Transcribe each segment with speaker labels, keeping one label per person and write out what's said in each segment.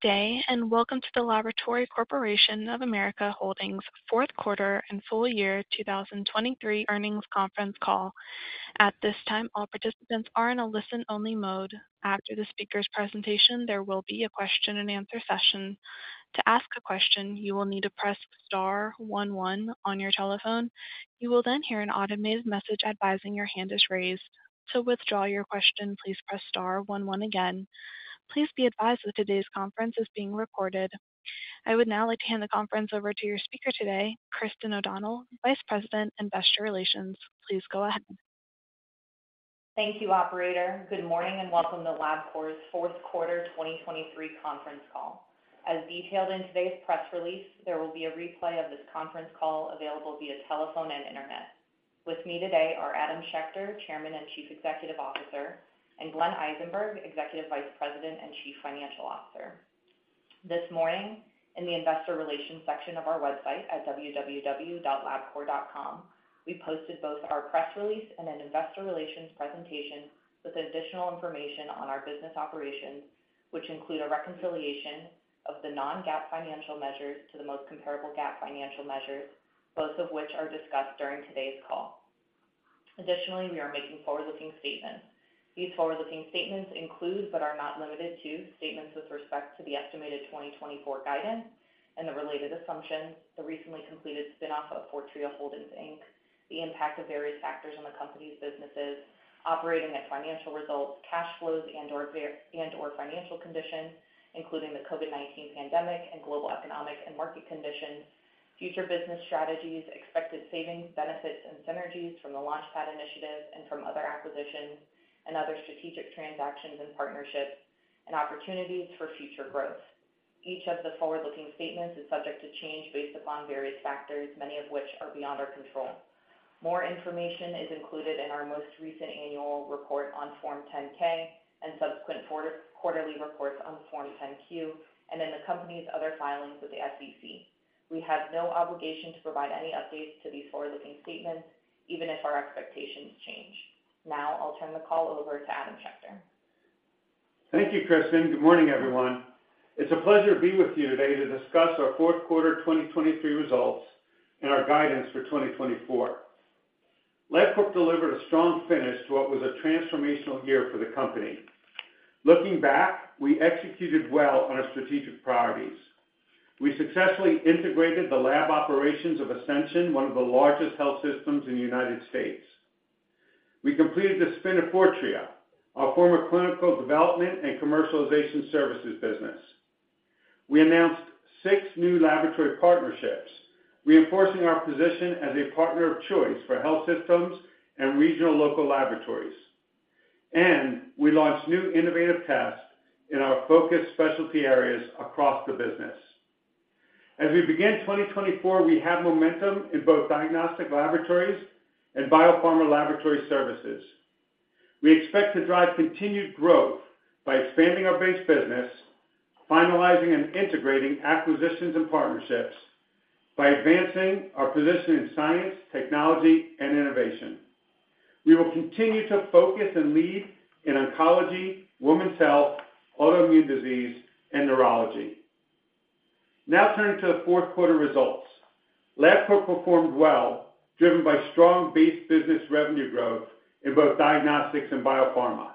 Speaker 1: Good day and welcome to the Laboratory Corporation of America Holdings' Fourth Quarter and full year 2023 Earnings Conference Call. At this time, all participants are in a listen-only mode. After the speaker's presentation, there will be a question-and-answer session. To ask a question, you will need to press *11 on your telephone. You will then hear an automated message advising your hand is raised. To withdraw your question, please press *11 again. Please be advised that today's conference is being recorded. I would now like to hand the conference over to your speaker today, Christin O'Donnell, Vice President of Investor Relations. Please go ahead.
Speaker 2: Thank you, Operator. Good morning and welcome to Labcorp's fourth quarter 2023 conference call. As detailed in today's press release, there will be a replay of this conference call available via telephone and internet. With me today are Adam Schechter, Chairman and Chief Executive Officer, and Glenn Eisenberg, Executive Vice President and Chief Financial Officer. This morning, in the Investor Relations section of our website at www.labcorp.com, we posted both our press release and an Investor Relations presentation with additional information on our business operations, which include a reconciliation of the non-GAAP financial measures to the most comparable GAAP financial measures, both of which are discussed during today's call. Additionally, we are making forward-looking statements. These forward-looking statements include but are not limited to statements with respect to the estimated 2024 guidance and the related assumptions, the recently completed spinoff of Fortrea Holdings, Inc., the impact of various factors on the company's businesses, operating and financial results, cash flows and/or financial conditions, including the COVID-19 pandemic and global economic and market conditions, future business strategies, expected savings, benefits, and synergies from the LaunchPad initiative and from other acquisitions, and other strategic transactions and partnerships, and opportunities for future growth. Each of the forward-looking statements is subject to change based upon various factors, many of which are beyond our control. More information is included in our most recent annual report on Form 10-K and subsequent quarterly reports on Form 10-Q and in the company's other filings with the SEC. We have no obligation to provide any updates to these forward-looking statements, even if our expectations change. Now I'll turn the call over to Adam Schechter.
Speaker 3: Thank you, Christin. Good morning, everyone. It's a pleasure to be with you today to discuss our fourth quarter 2023 results and our guidance for 2024. Labcorp delivered a strong finish to what was a transformational year for the company. Looking back, we executed well on our strategic priorities. We successfully integrated the lab operations of Ascension, one of the largest health systems in the United States. We completed the spin of Fortrea, our former clinical development and commercialization services business. We announced six new laboratory partnerships, reinforcing our position as a partner of choice for health systems and regional local laboratories. We launched new innovative tests in our focused specialty areas across the business. As we begin 2024, we have momentum in both diagnostic laboratories and biopharma laboratory services. We expect to drive continued growth by expanding our base business, finalizing and integrating acquisitions and partnerships, by advancing our position in science, technology, and innovation. We will continue to focus and lead in oncology, women's health, autoimmune disease, and neurology. Now turning to the fourth quarter results. Labcorp performed well, driven by strong base business revenue growth in both diagnostics and biopharma.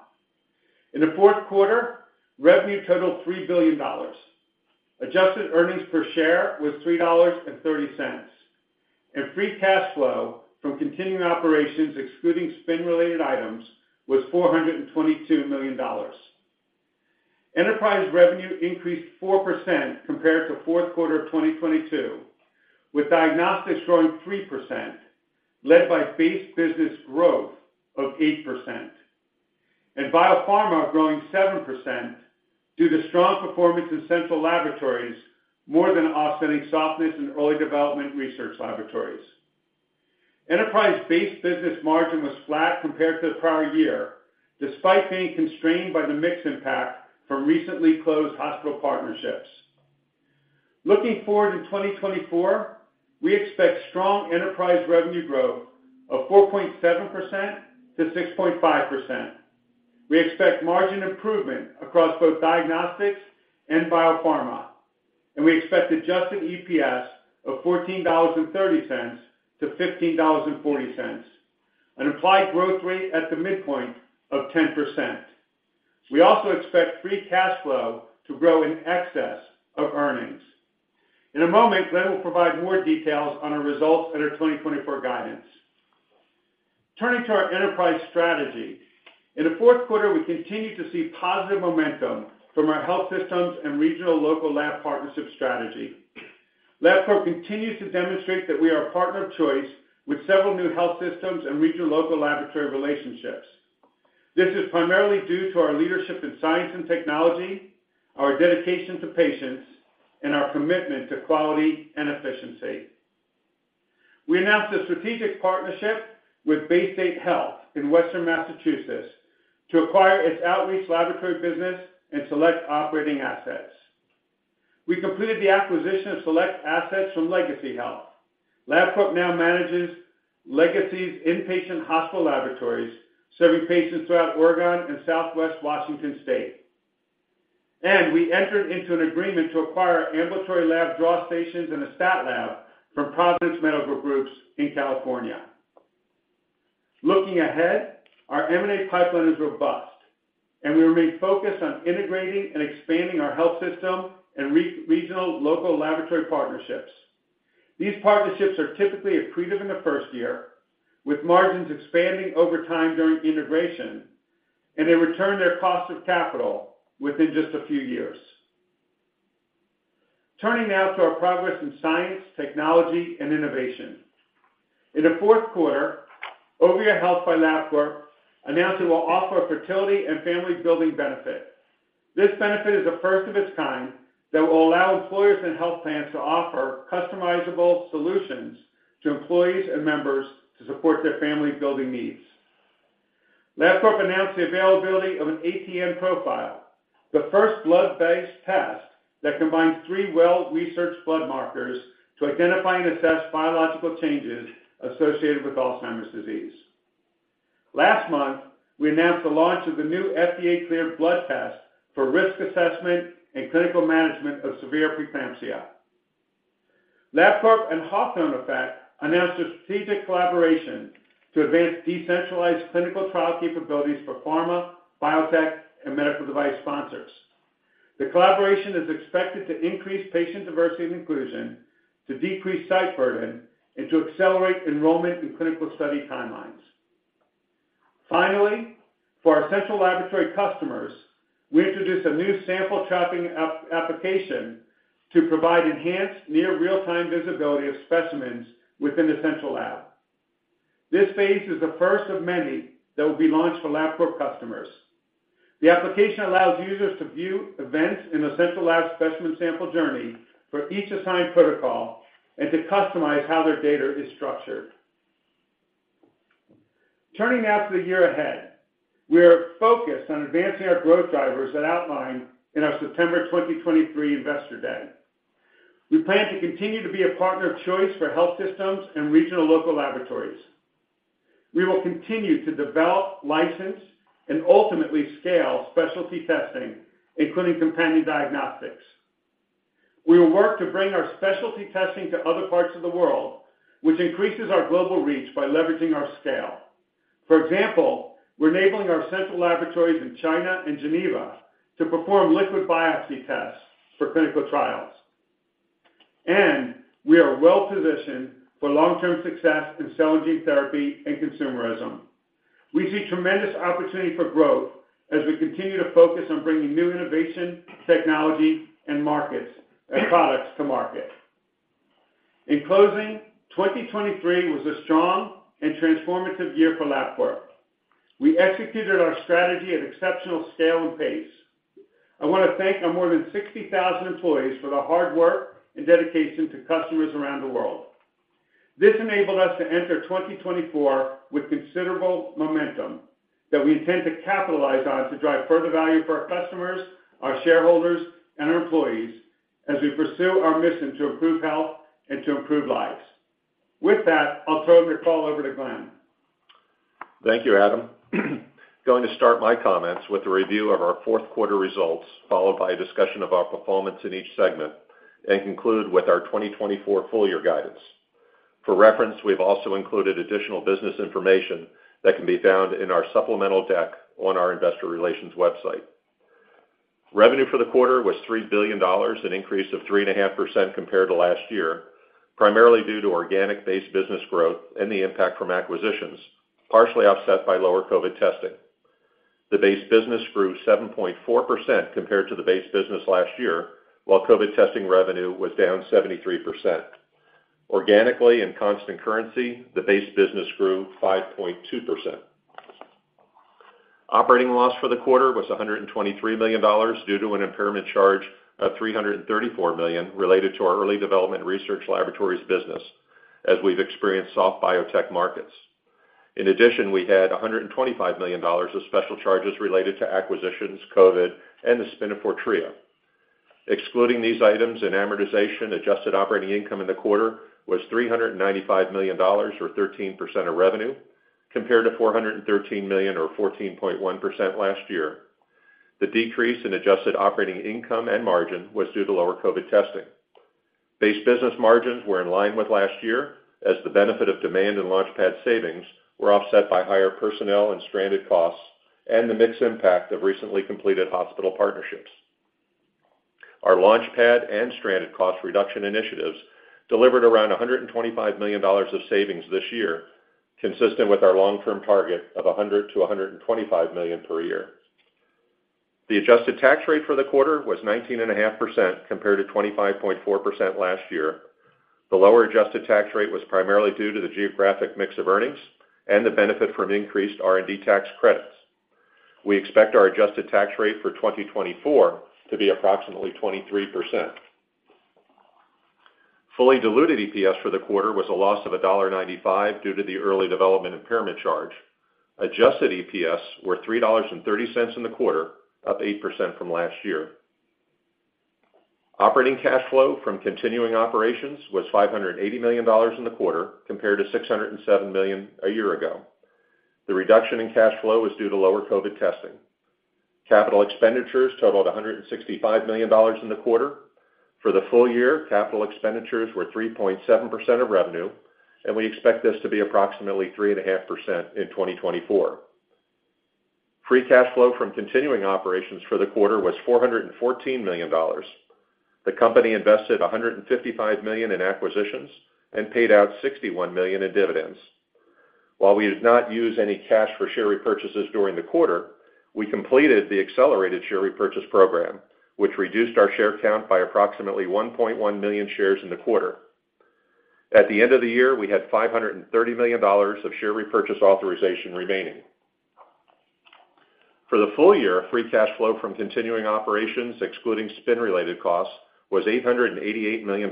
Speaker 3: In the fourth quarter, revenue totaled $3 billion. Adjusted earnings per share was $3.30, and free cash flow from continuing operations excluding spin-related items was $422 million. Enterprise revenue increased 4% compared to fourth quarter of 2022, with diagnostics growing 3%, led by base business growth of 8%, and biopharma growing 7% due to strong performance in central laboratories more than offsetting softness in early development research laboratories. Enterprise base business margin was flat compared to the prior year, despite being constrained by the mix impact from recently closed hospital partnerships. Looking forward in 2024, we expect strong enterprise revenue growth of 4.7%-6.5%. We expect margin improvement across both diagnostics and biopharma, and we expect Adjusted EPS of $14.30-$15.40, an applied growth rate at the midpoint of 10%. We also expect free cash flow to grow in excess of earnings. In a moment, Glenn will provide more details on our results and our 2024 guidance. Turning to our enterprise strategy. In the fourth quarter, we continue to see positive momentum from our health systems and regional local lab partnership strategy. Labcorp continues to demonstrate that we are a partner of choice with several new health systems and regional local laboratory relationships. This is primarily due to our leadership in science and technology, our dedication to patients, and our commitment to quality and efficiency. We announced a strategic partnership with Baystate Health in Western Massachusetts to acquire its outreach laboratory business and select operating assets. We completed the acquisition of select assets from Legacy Health. Labcorp now manages Legacy's inpatient hospital laboratories serving patients throughout Oregon and Southwest Washington State. We entered into an agreement to acquire ambulatory lab draw stations and a stat lab from Providence Medical Groups in California. Looking ahead, our M&A pipeline is robust, and we remain focused on integrating and expanding our health system and regional local laboratory partnerships. These partnerships are typically accretive in the first year, with margins expanding over time during integration, and they return their cost of capital within just a few years. Turning now to our progress in science, technology, and innovation. In the fourth quarter, Ovia Health by Labcorp announced it will offer a fertility and family-building benefit. This benefit is a first of its kind that will allow employers and health plans to offer customizable solutions to employees and members to support their family-building needs. Labcorp announced the availability of an ATN Profile, the first blood-based test that combines three well-researched blood markers to identify and assess biological changes associated with Alzheimer's disease. Last month, we announced the launch of the new FDA-cleared blood test for risk assessment and clinical management of severe preeclampsia. Labcorp and Hawthorne Effect announced a strategic collaboration to advance decentralized clinical trial capabilities for pharma, biotech, and medical device sponsors. The collaboration is expected to increase patient diversity and inclusion, to decrease site burden, and to accelerate enrollment in clinical study timelines. Finally, for our central laboratory customers, we introduced a new sample trapping application to provide enhanced near-real-time visibility of specimens within the central lab. This phase is the first of many that will be launched for Labcorp customers. The application allows users to view events in the central lab specimen sample journey for each assigned protocol and to customize how their data is structured. Turning now to the year ahead, we are focused on advancing our growth drivers that outlined in our September 2023 Investor Day. We plan to continue to be a partner of choice for health systems and regional local laboratories. We will continue to develop, license, and ultimately scale specialty testing, including companion diagnostics. We will work to bring our specialty testing to other parts of the world, which increases our global reach by leveraging our scale. For example, we're enabling our central laboratories in China and Geneva to perform liquid biopsy tests for clinical trials. We are well-positioned for long-term success in cell and gene therapy and consumerism. We see tremendous opportunity for growth as we continue to focus on bringing new innovation, technology, and products to market. In closing, 2023 was a strong and transformative year for Labcorp. We executed our strategy at exceptional scale and pace. I want to thank our more than 60,000 employees for the hard work and dedication to customers around the world. This enabled us to enter 2024 with considerable momentum that we intend to capitalize on to drive further value for our customers, our shareholders, and our employees as we pursue our mission to improve health and to improve lives. With that, I'll turn the call over to Glenn.
Speaker 4: Thank you, Adam. Going to start my comments with a review of our fourth quarter results, followed by a discussion of our performance in each segment, and conclude with our 2024 full year guidance. For reference, we've also included additional business information that can be found in our supplemental deck on our Investor Relations website. Revenue for the quarter was $3 billion, an increase of 3.5% compared to last year, primarily due to organic base business growth and the impact from acquisitions, partially offset by lower COVID testing. The base business grew 7.4% compared to the base business last year, while COVID testing revenue was down 73%. Organically and constant currency, the base business grew 5.2%. Operating loss for the quarter was $123 million due to an impairment charge of $334 million related to our early development research laboratories business as we've experienced soft biotech markets. In addition, we had $125 million of special charges related to acquisitions, COVID, and the spin of Fortrea. Excluding these items and amortization, adjusted operating income in the quarter was $395 million or 13% of revenue compared to $413 million or 14.1% last year. The decrease in adjusted operating income and margin was due to lower COVID testing. Base business margins were in line with last year as the benefit of demand and LaunchPad savings were offset by higher personnel and stranded costs and the mix impact of recently completed hospital partnerships. Our LaunchPad and stranded cost reduction initiatives delivered around $125 million of savings this year, consistent with our long-term target of $100-$125 million per year. The adjusted tax rate for the quarter was 19.5% compared to 25.4% last year. The lower adjusted tax rate was primarily due to the geographic mix of earnings and the benefit from increased R&D tax credits. We expect our adjusted tax rate for 2024 to be approximately 23%. Fully diluted EPS for the quarter was a loss of $1.95 due to the early development impairment charge. Adjusted EPS was $3.30 in the quarter, up 8% from last year. Operating cash flow from continuing operations was $580 million in the quarter compared to $607 million a year ago. The reduction in cash flow was due to lower COVID testing. Capital expenditures totaled $165 million in the quarter. For the full year, capital expenditures were 3.7% of revenue, and we expect this to be approximately 3.5% in 2024. Free cash flow from continuing operations for the quarter was $414 million. The company invested $155 million in acquisitions and paid out $61 million in dividends. While we did not use any cash for share repurchases during the quarter, we completed the accelerated share repurchase program, which reduced our share count by approximately 1.1 million shares in the quarter. At the end of the year, we had $530 million of share repurchase authorization remaining. For the full year, free cash flow from continuing operations, excluding spin-related costs, was $888 million.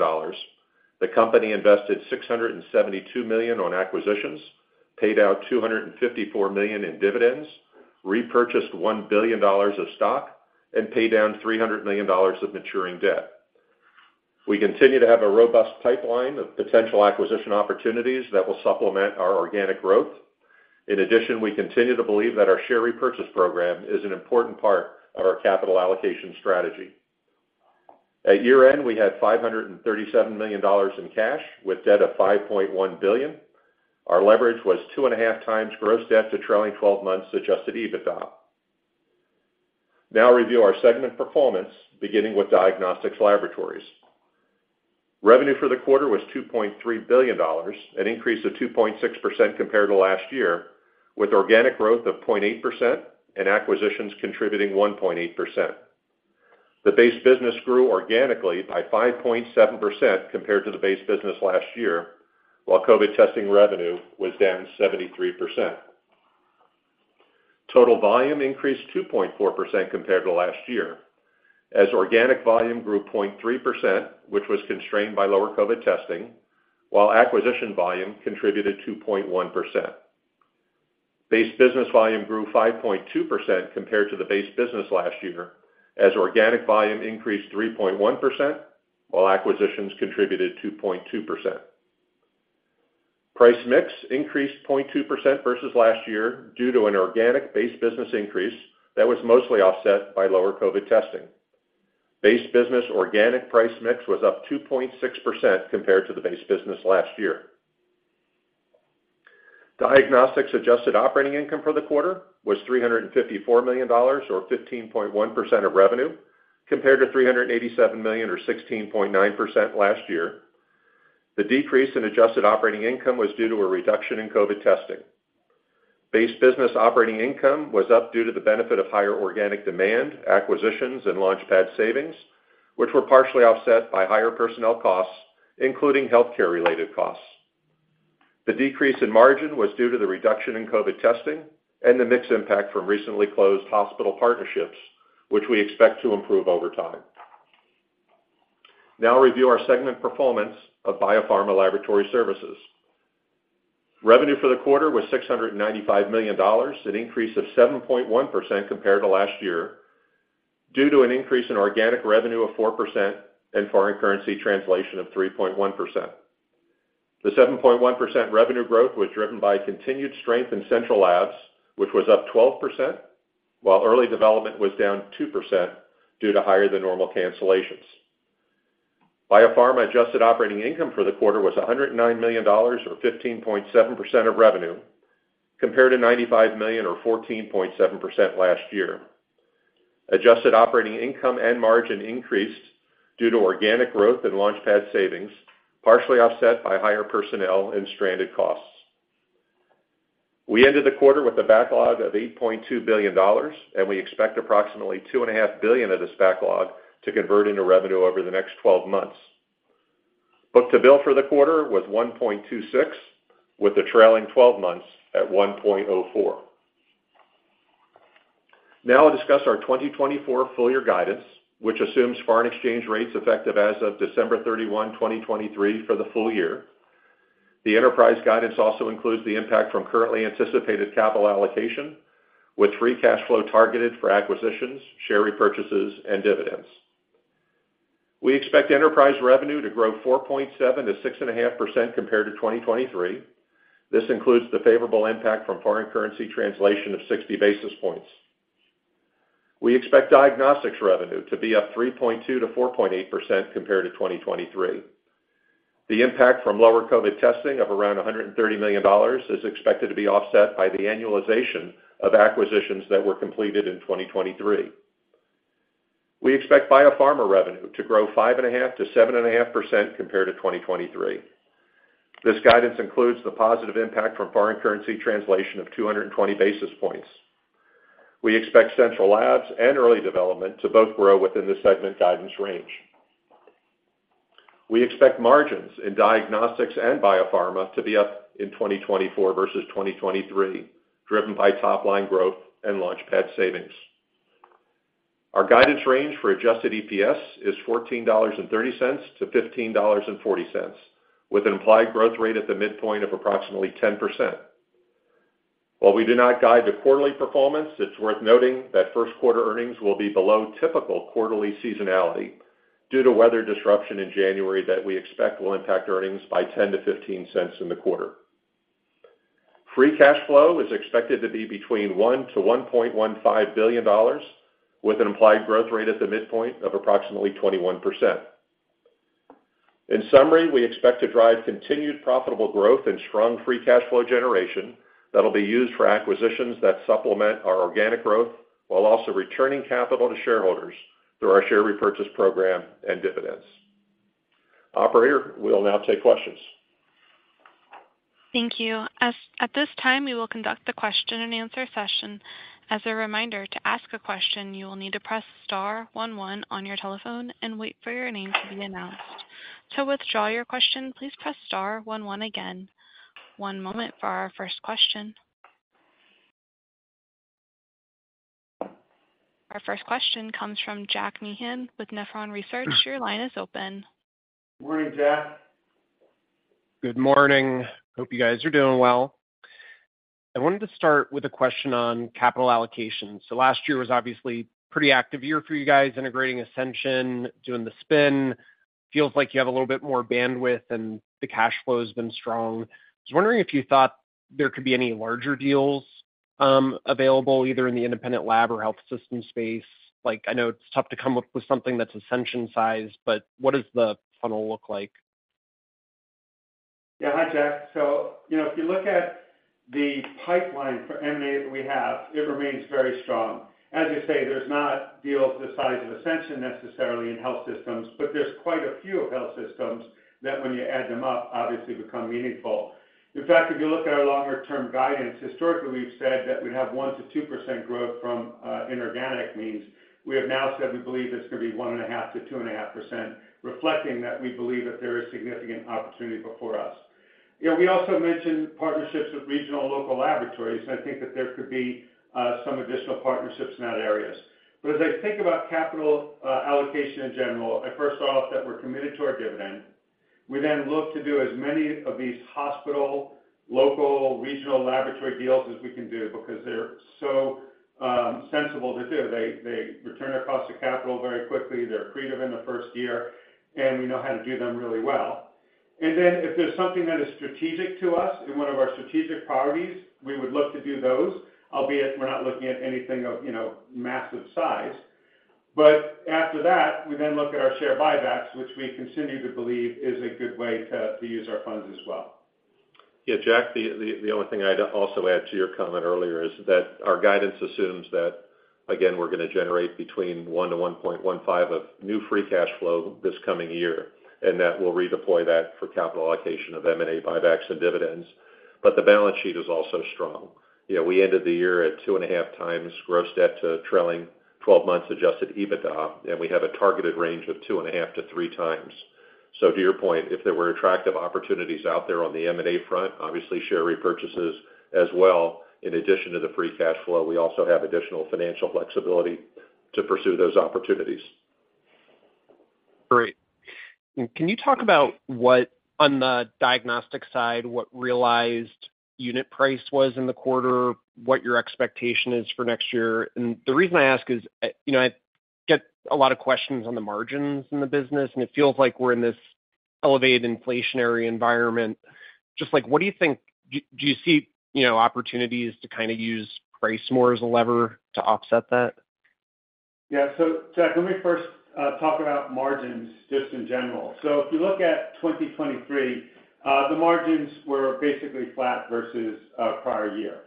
Speaker 4: The company invested $672 million on acquisitions, paid out $254 million in dividends, repurchased $1 billion of stock, and paid down $300 million of maturing debt. We continue to have a robust pipeline of potential acquisition opportunities that will supplement our organic growth. In addition, we continue to believe that our share repurchase program is an important part of our capital allocation strategy. At year end, we had $537 million in cash with debt of $5.1 billion. Our leverage was 2.5x gross debt to trailing 12 months' Adjusted EBITDA. Now review our segment performance, beginning with diagnostics laboratories. Revenue for the quarter was $2.3 billion, an increase of 2.6% compared to last year, with organic growth of 0.8% and acquisitions contributing 1.8%. The base business grew organically by 5.7% compared to the base business last year, while COVID testing revenue was down 73%. Total volume increased 2.4% compared to last year as organic volume grew 0.3%, which was constrained by lower COVID testing, while acquisition volume contributed 2.1%. Base business volume grew 5.2% compared to the base business last year as organic volume increased 3.1%, while acquisitions contributed 2.2%. Price mix increased 0.2% versus last year due to an organic base business increase that was mostly offset by lower COVID testing. Base business organic price mix was up 2.6% compared to the base business last year. Diagnostics adjusted operating income for the quarter was $354 million or 15.1% of revenue compared to $387 million or 16.9% last year. The decrease in adjusted operating income was due to a reduction in COVID testing. Base business operating income was up due to the benefit of higher organic demand, acquisitions, and LaunchPad savings, which were partially offset by higher personnel costs, including healthcare-related costs. The decrease in margin was due to the reduction in COVID testing and the mix impact from recently closed hospital partnerships, which we expect to improve over time. Now review our segment performance of biopharma laboratory services. Revenue for the quarter was $695 million, an increase of 7.1% compared to last year due to an increase in organic revenue of 4% and foreign currency translation of 3.1%. The 7.1% revenue growth was driven by continued strength in central labs, which was up 12%, while early development was down 2% due to higher-than-normal cancellations. Biopharma adjusted operating income for the quarter was $109 million or 15.7% of revenue compared to $95 million or 14.7% last year. Adjusted operating income and margin increased due to organic growth and LaunchPad savings, partially offset by higher personnel and stranded costs. We ended the quarter with a backlog of $8.2 billion, and we expect approximately $2.5 billion of this backlog to convert into revenue over the next 12 months. Book-to-bill for the quarter was 1.26, with the trailing 12 months at 1.04. Now I'll discuss our 2024 full year guidance, which assumes foreign exchange rates effective as of December 31, 2023, for the full year. The enterprise guidance also includes the impact from currently anticipated capital allocation, with free cash flow targeted for acquisitions, share repurchases, and dividends. We expect enterprise revenue to grow 4.7%-6.5% compared to 2023. This includes the favorable impact from foreign currency translation of 60 basis points. We expect diagnostics revenue to be up 3.2%-4.8% compared to 2023. The impact from lower COVID testing of around $130 million is expected to be offset by the annualization of acquisitions that were completed in 2023. We expect biopharma revenue to grow 5.5%-7.5% compared to 2023. This guidance includes the positive impact from foreign currency translation of 220 basis points. We expect central labs and early development to both grow within the segment guidance range. We expect margins in diagnostics and biopharma to be up in 2024 versus 2023, driven by top-line growth and LaunchPad savings. Our guidance range for Adjusted EPS is $14.30-$15.40, with an implied growth rate at the midpoint of approximately 10%. While we do not guide to quarterly performance, it's worth noting that first quarter earnings will be below typical quarterly seasonality due to weather disruption in January that we expect will impact earnings by $0.10-$0.15 in the quarter. Free cash flow is expected to be between $1-$1.15 billion, with an implied growth rate at the midpoint of approximately 21%. In summary, we expect to drive continued profitable growth and strong free cash flow generation that'll be used for acquisitions that supplement our organic growth while also returning capital to shareholders through our share repurchase program and dividends. Operator, we'll now take questions.
Speaker 1: Thank you. At this time, we will conduct the question-and-answer session. As a reminder, to ask a question, you will need to press star 11 on your telephone and wait for your name to be announced. To withdraw your question, please press star 11 again. One moment for our first question. Our first question comes from Jack Meehan with Nephron Research. Your line is open.
Speaker 3: Good morning, Jack.
Speaker 5: Good morning. Hope you guys are doing well. I wanted to start with a question on capital allocation. So last year was obviously a pretty active year for you guys integrating Ascension, doing the spin. Feels like you have a little bit more bandwidth, and the cash flow has been strong. I was wondering if you thought there could be any larger deals available either in the independent lab or health system space. I know it's tough to come up with something that's Ascension-sized, but what does the funnel look like?
Speaker 3: Yeah. Hi, Jack. So if you look at the pipeline for M&A that we have, it remains very strong. As you say, there's not deals the size of Ascension necessarily in health systems, but there's quite a few of health systems that, when you add them up, obviously become meaningful. In fact, if you look at our longer-term guidance, historically, we've said that we'd have 1%-2% growth from inorganic means. We have now said we believe it's going to be 1.5%-2.5%, reflecting that we believe that there is significant opportunity before us. We also mentioned partnerships with regional and local laboratories, and I think that there could be some additional partnerships in that area. But as I think about capital allocation in general, I first thought that we're committed to our dividend. We then look to do as many of these hospital, local, regional laboratory deals as we can do because they're so sensible to do. They return their cost of capital very quickly. They're creative in the first year, and we know how to do them really well. And then if there's something that is strategic to us in one of our strategic priorities, we would look to do those, albeit we're not looking at anything of massive size. But after that, we then look at our share buybacks, which we continue to believe is a good way to use our funds as well.
Speaker 4: Yeah. Jack, the only thing I'd also add to your comment earlier is that our guidance assumes that, again, we're going to generate between $1-$1.15 of new free cash flow this coming year, and that we'll redeploy that for capital allocation of M&A buybacks and dividends. But the balance sheet is also strong. We ended the year at 2.5 times gross debt to trailing 12 months' Adjusted EBITDA, and we have a targeted range of 2.5-3 times. So to your point, if there were attractive opportunities out there on the M&A front, obviously share repurchases as well, in addition to the free cash flow, we also have additional financial flexibility to pursue those opportunities. Great. And can you talk about, on the diagnostic side, what realized unit price was in the quarter, what your expectation is for next year? The reason I ask is I get a lot of questions on the margins in the business, and it feels like we're in this elevated inflationary environment. What do you think? Do you see opportunities to kind of use price more as a lever to offset that?
Speaker 3: Yeah. So, Jack, let me first talk about margins just in general. So if you look at 2023, the margins were basically flat versus prior year.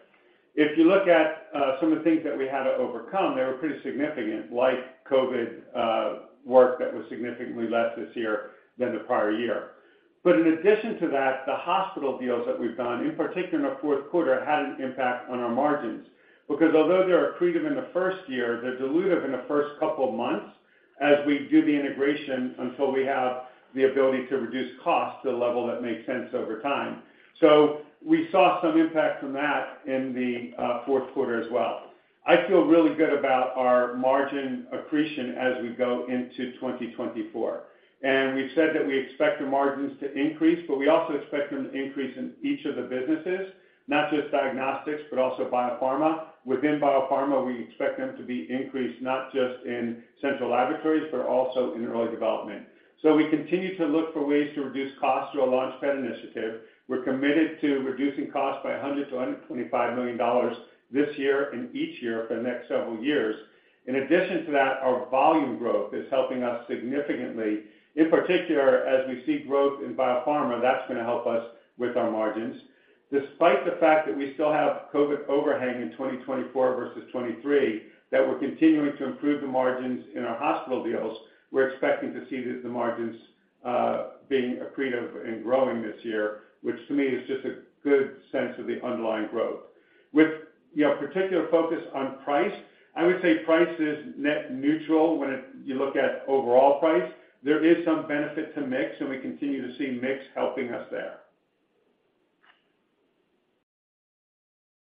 Speaker 3: If you look at some of the things that we had to overcome, they were pretty significant, like COVID work that was significantly less this year than the prior year. But in addition to that, the hospital deals that we've done, in particular in the fourth quarter, had an impact on our margins because, although they were creative in the first year, they're dilutive in the first couple of months as we do the integration until we have the ability to reduce costs to the level that makes sense over time. So we saw some impact from that in the fourth quarter as well. I feel really good about our margin accretion as we go into 2024. We've said that we expect our margins to increase, but we also expect them to increase in each of the businesses, not just diagnostics but also biopharma. Within biopharma, we expect them to be increased not just in central laboratories but also in early development. We continue to look for ways to reduce costs through our LaunchPad initiative. We're committed to reducing costs by $100 million-$125 million this year and each year for the next several years. In addition to that, our volume growth is helping us significantly. In particular, as we see growth in biopharma, that's going to help us with our margins. Despite the fact that we still have COVID overhang in 2024 versus 2023, that we're continuing to improve the margins in our hospital deals, we're expecting to see the margins being accretive and growing this year, which to me is just a good sense of the underlying growth. With particular focus on price, I would say price is net neutral when you look at overall price. There is some benefit to mix, and we continue to see mix helping us there.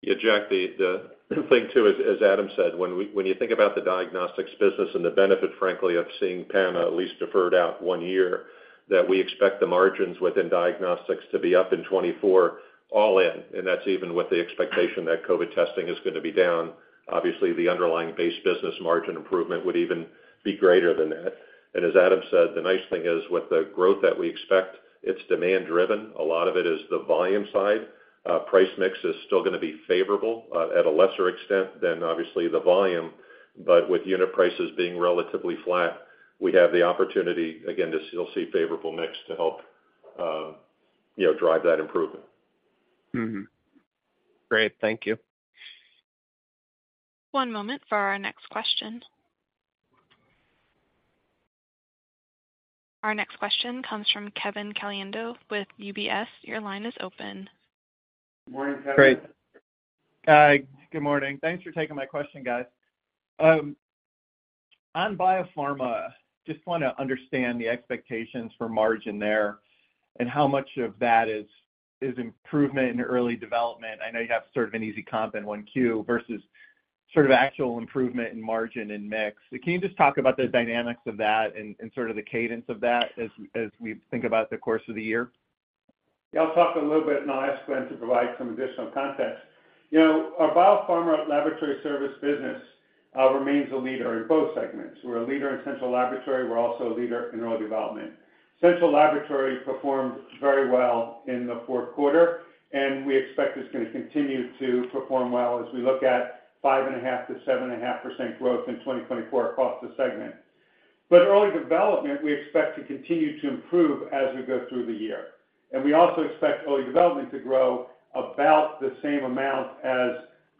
Speaker 4: Yeah. Jack, the thing, too, as Adam said, when you think about the diagnostics business and the benefit, frankly, of seeing PAMA at least deferred out one year, that we expect the margins within diagnostics to be up in 2024 all in, and that's even with the expectation that COVID testing is going to be down. Obviously, the underlying base business margin improvement would even be greater than that. And as Adam said, the nice thing is, with the growth that we expect, it's demand-driven. A lot of it is the volume side. Price mix is still going to be favorable at a lesser extent than, obviously, the volume. But with unit prices being relatively flat, we have the opportunity, again, to still see favorable mix to help drive that improvement. Great. Thank you.
Speaker 1: One moment for our next question. Our next question comes from Kevin Caliendo with UBS. Your line is open.
Speaker 3: Morning, Kevin.
Speaker 6: Great. Good morning. Thanks for taking my question, guys. On biopharma, just want to understand the expectations for margin there and how much of that is improvement in early development. I know you have sort of an easy comp in Q1 versus sort of actual improvement in margin and mix. Can you just talk about the dynamics of that and sort of the cadence of that as we think about the course of the year?
Speaker 3: Yeah. I'll talk a little bit, and I'll ask Glenn to provide some additional context. Our biopharma laboratory service business remains a leader in both segments. We're a leader in central laboratory. We're also a leader in early development. Central laboratory performed very well in the fourth quarter, and we expect it's going to continue to perform well as we look at 5.5%-7.5% growth in 2024 across the segment. But early development, we expect to continue to improve as we go through the year. And we also expect early development to grow about the same amount as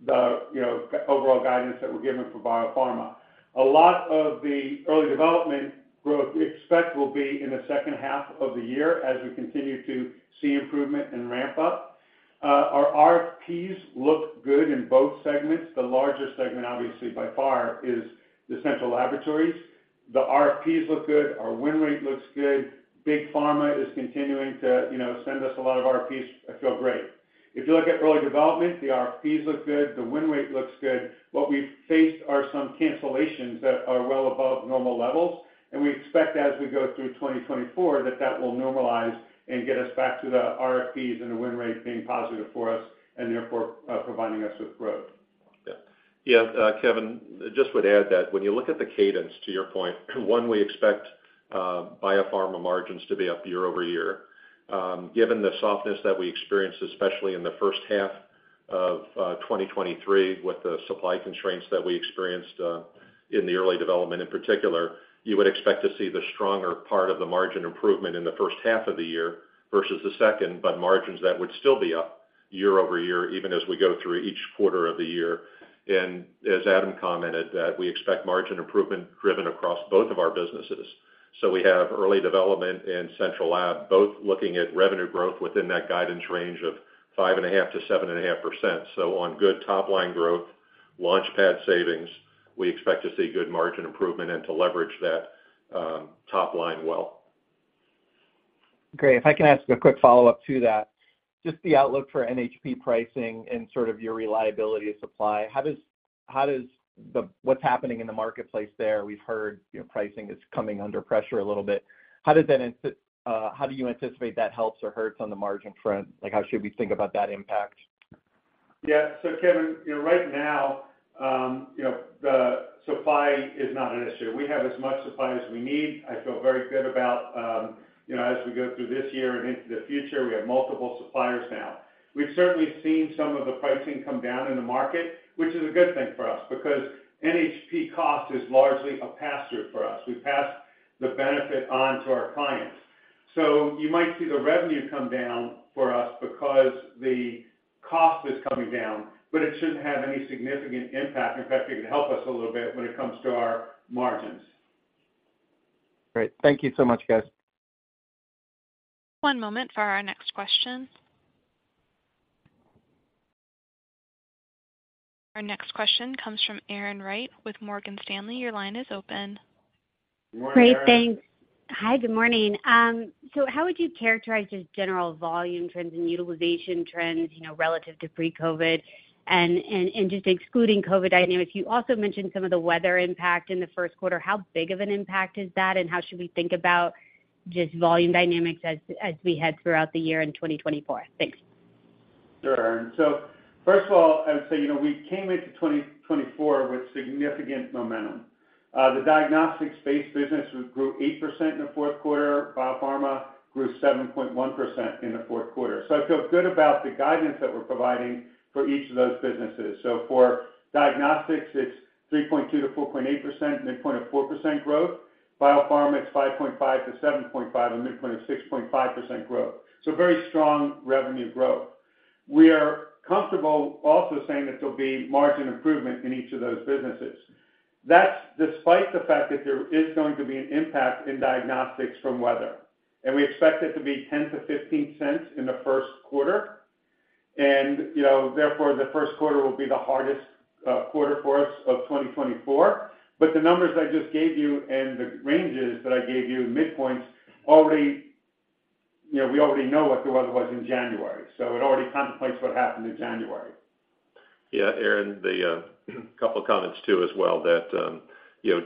Speaker 3: the overall guidance that we're giving for biopharma. A lot of the early development growth we expect will be in the second half of the year as we continue to see improvement and ramp up. Our RFPs look good in both segments. The larger segment, obviously, by far is the central laboratories. The RFPs look good. Our win rate looks good. Big Pharma is continuing to send us a lot of RFPs. I feel great. If you look at early development, the RFPs look good. The win rate looks good. What we've faced are some cancellations that are well above normal levels, and we expect, as we go through 2024, that that will normalize and get us back to the RFPs and the win rate being positive for us and, therefore, providing us with growth.
Speaker 4: Yeah. Yeah. Kevin, just would add that when you look at the cadence, to your point, one, we expect biopharma margins to be up year-over-year. Given the softness that we experienced, especially in the first half of 2023, with the supply constraints that we experienced in the early development in particular, you would expect to see the stronger part of the margin improvement in the first half of the year versus the second, but margins that would still be up year-over-year even as we go through each quarter of the year. And as Adam commented, we expect margin improvement driven across both of our businesses. So we have early development and central lab both looking at revenue growth within that guidance range of 5.5%-7.5%. On good top-line growth, LaunchPad savings, we expect to see good margin improvement and to leverage that top line well.
Speaker 6: Great. If I can ask a quick follow-up to that, just the outlook for NHP pricing and sort of your reliability of supply, how does what's happening in the marketplace there? We've heard pricing is coming under pressure a little bit. How do you anticipate that helps or hurts on the margin front? How should we think about that impact?
Speaker 3: Yeah. So, Kevin, right now, the supply is not an issue. We have as much supply as we need. I feel very good about, as we go through this year and into the future, we have multiple suppliers now. We've certainly seen some of the pricing come down in the market, which is a good thing for us because NHP cost is largely a pass-through for us. We pass the benefit on to our clients. So you might see the revenue come down for us because the cost is coming down, but it shouldn't have any significant impact. In fact, it could help us a little bit when it comes to our margins.
Speaker 6: Great. Thank you so much, guys.
Speaker 1: One moment for our next question. Our next question comes from Erin Wright with Morgan Stanley. Your line is open.
Speaker 3: Morning, Aaron.
Speaker 7: Great. Thanks. Hi. Good morning. So how would you characterize just general volume trends and utilization trends relative to pre-COVID and just excluding COVID dynamics? You also mentioned some of the weather impact in the first quarter. How big of an impact is that, and how should we think about just volume dynamics as we head throughout the year in 2024? Thanks.
Speaker 3: Sure. And so, first of all, I would say we came into 2024 with significant momentum. The diagnostics-based business grew 8% in the fourth quarter. Biopharma grew 7.1% in the fourth quarter. So I feel good about the guidance that we're providing for each of those businesses. So for diagnostics, it's 3.2%-4.8%, midpoint of 4% growth. Biopharma, it's 5.5%-7.5%, a midpoint of 6.5% growth. So very strong revenue growth. We are comfortable also saying that there'll be margin improvement in each of those businesses. That's despite the fact that there is going to be an impact in diagnostics from weather, and we expect it to be $0.10-$0.15 in the first quarter. And, therefore, the first quarter will be the hardest quarter for us of 2024. The numbers I just gave you and the ranges that I gave you, midpoints, we already know what the weather was in January. It already contemplates what happened in January.
Speaker 4: Yeah. Aaron, a couple of comments, too, as well, that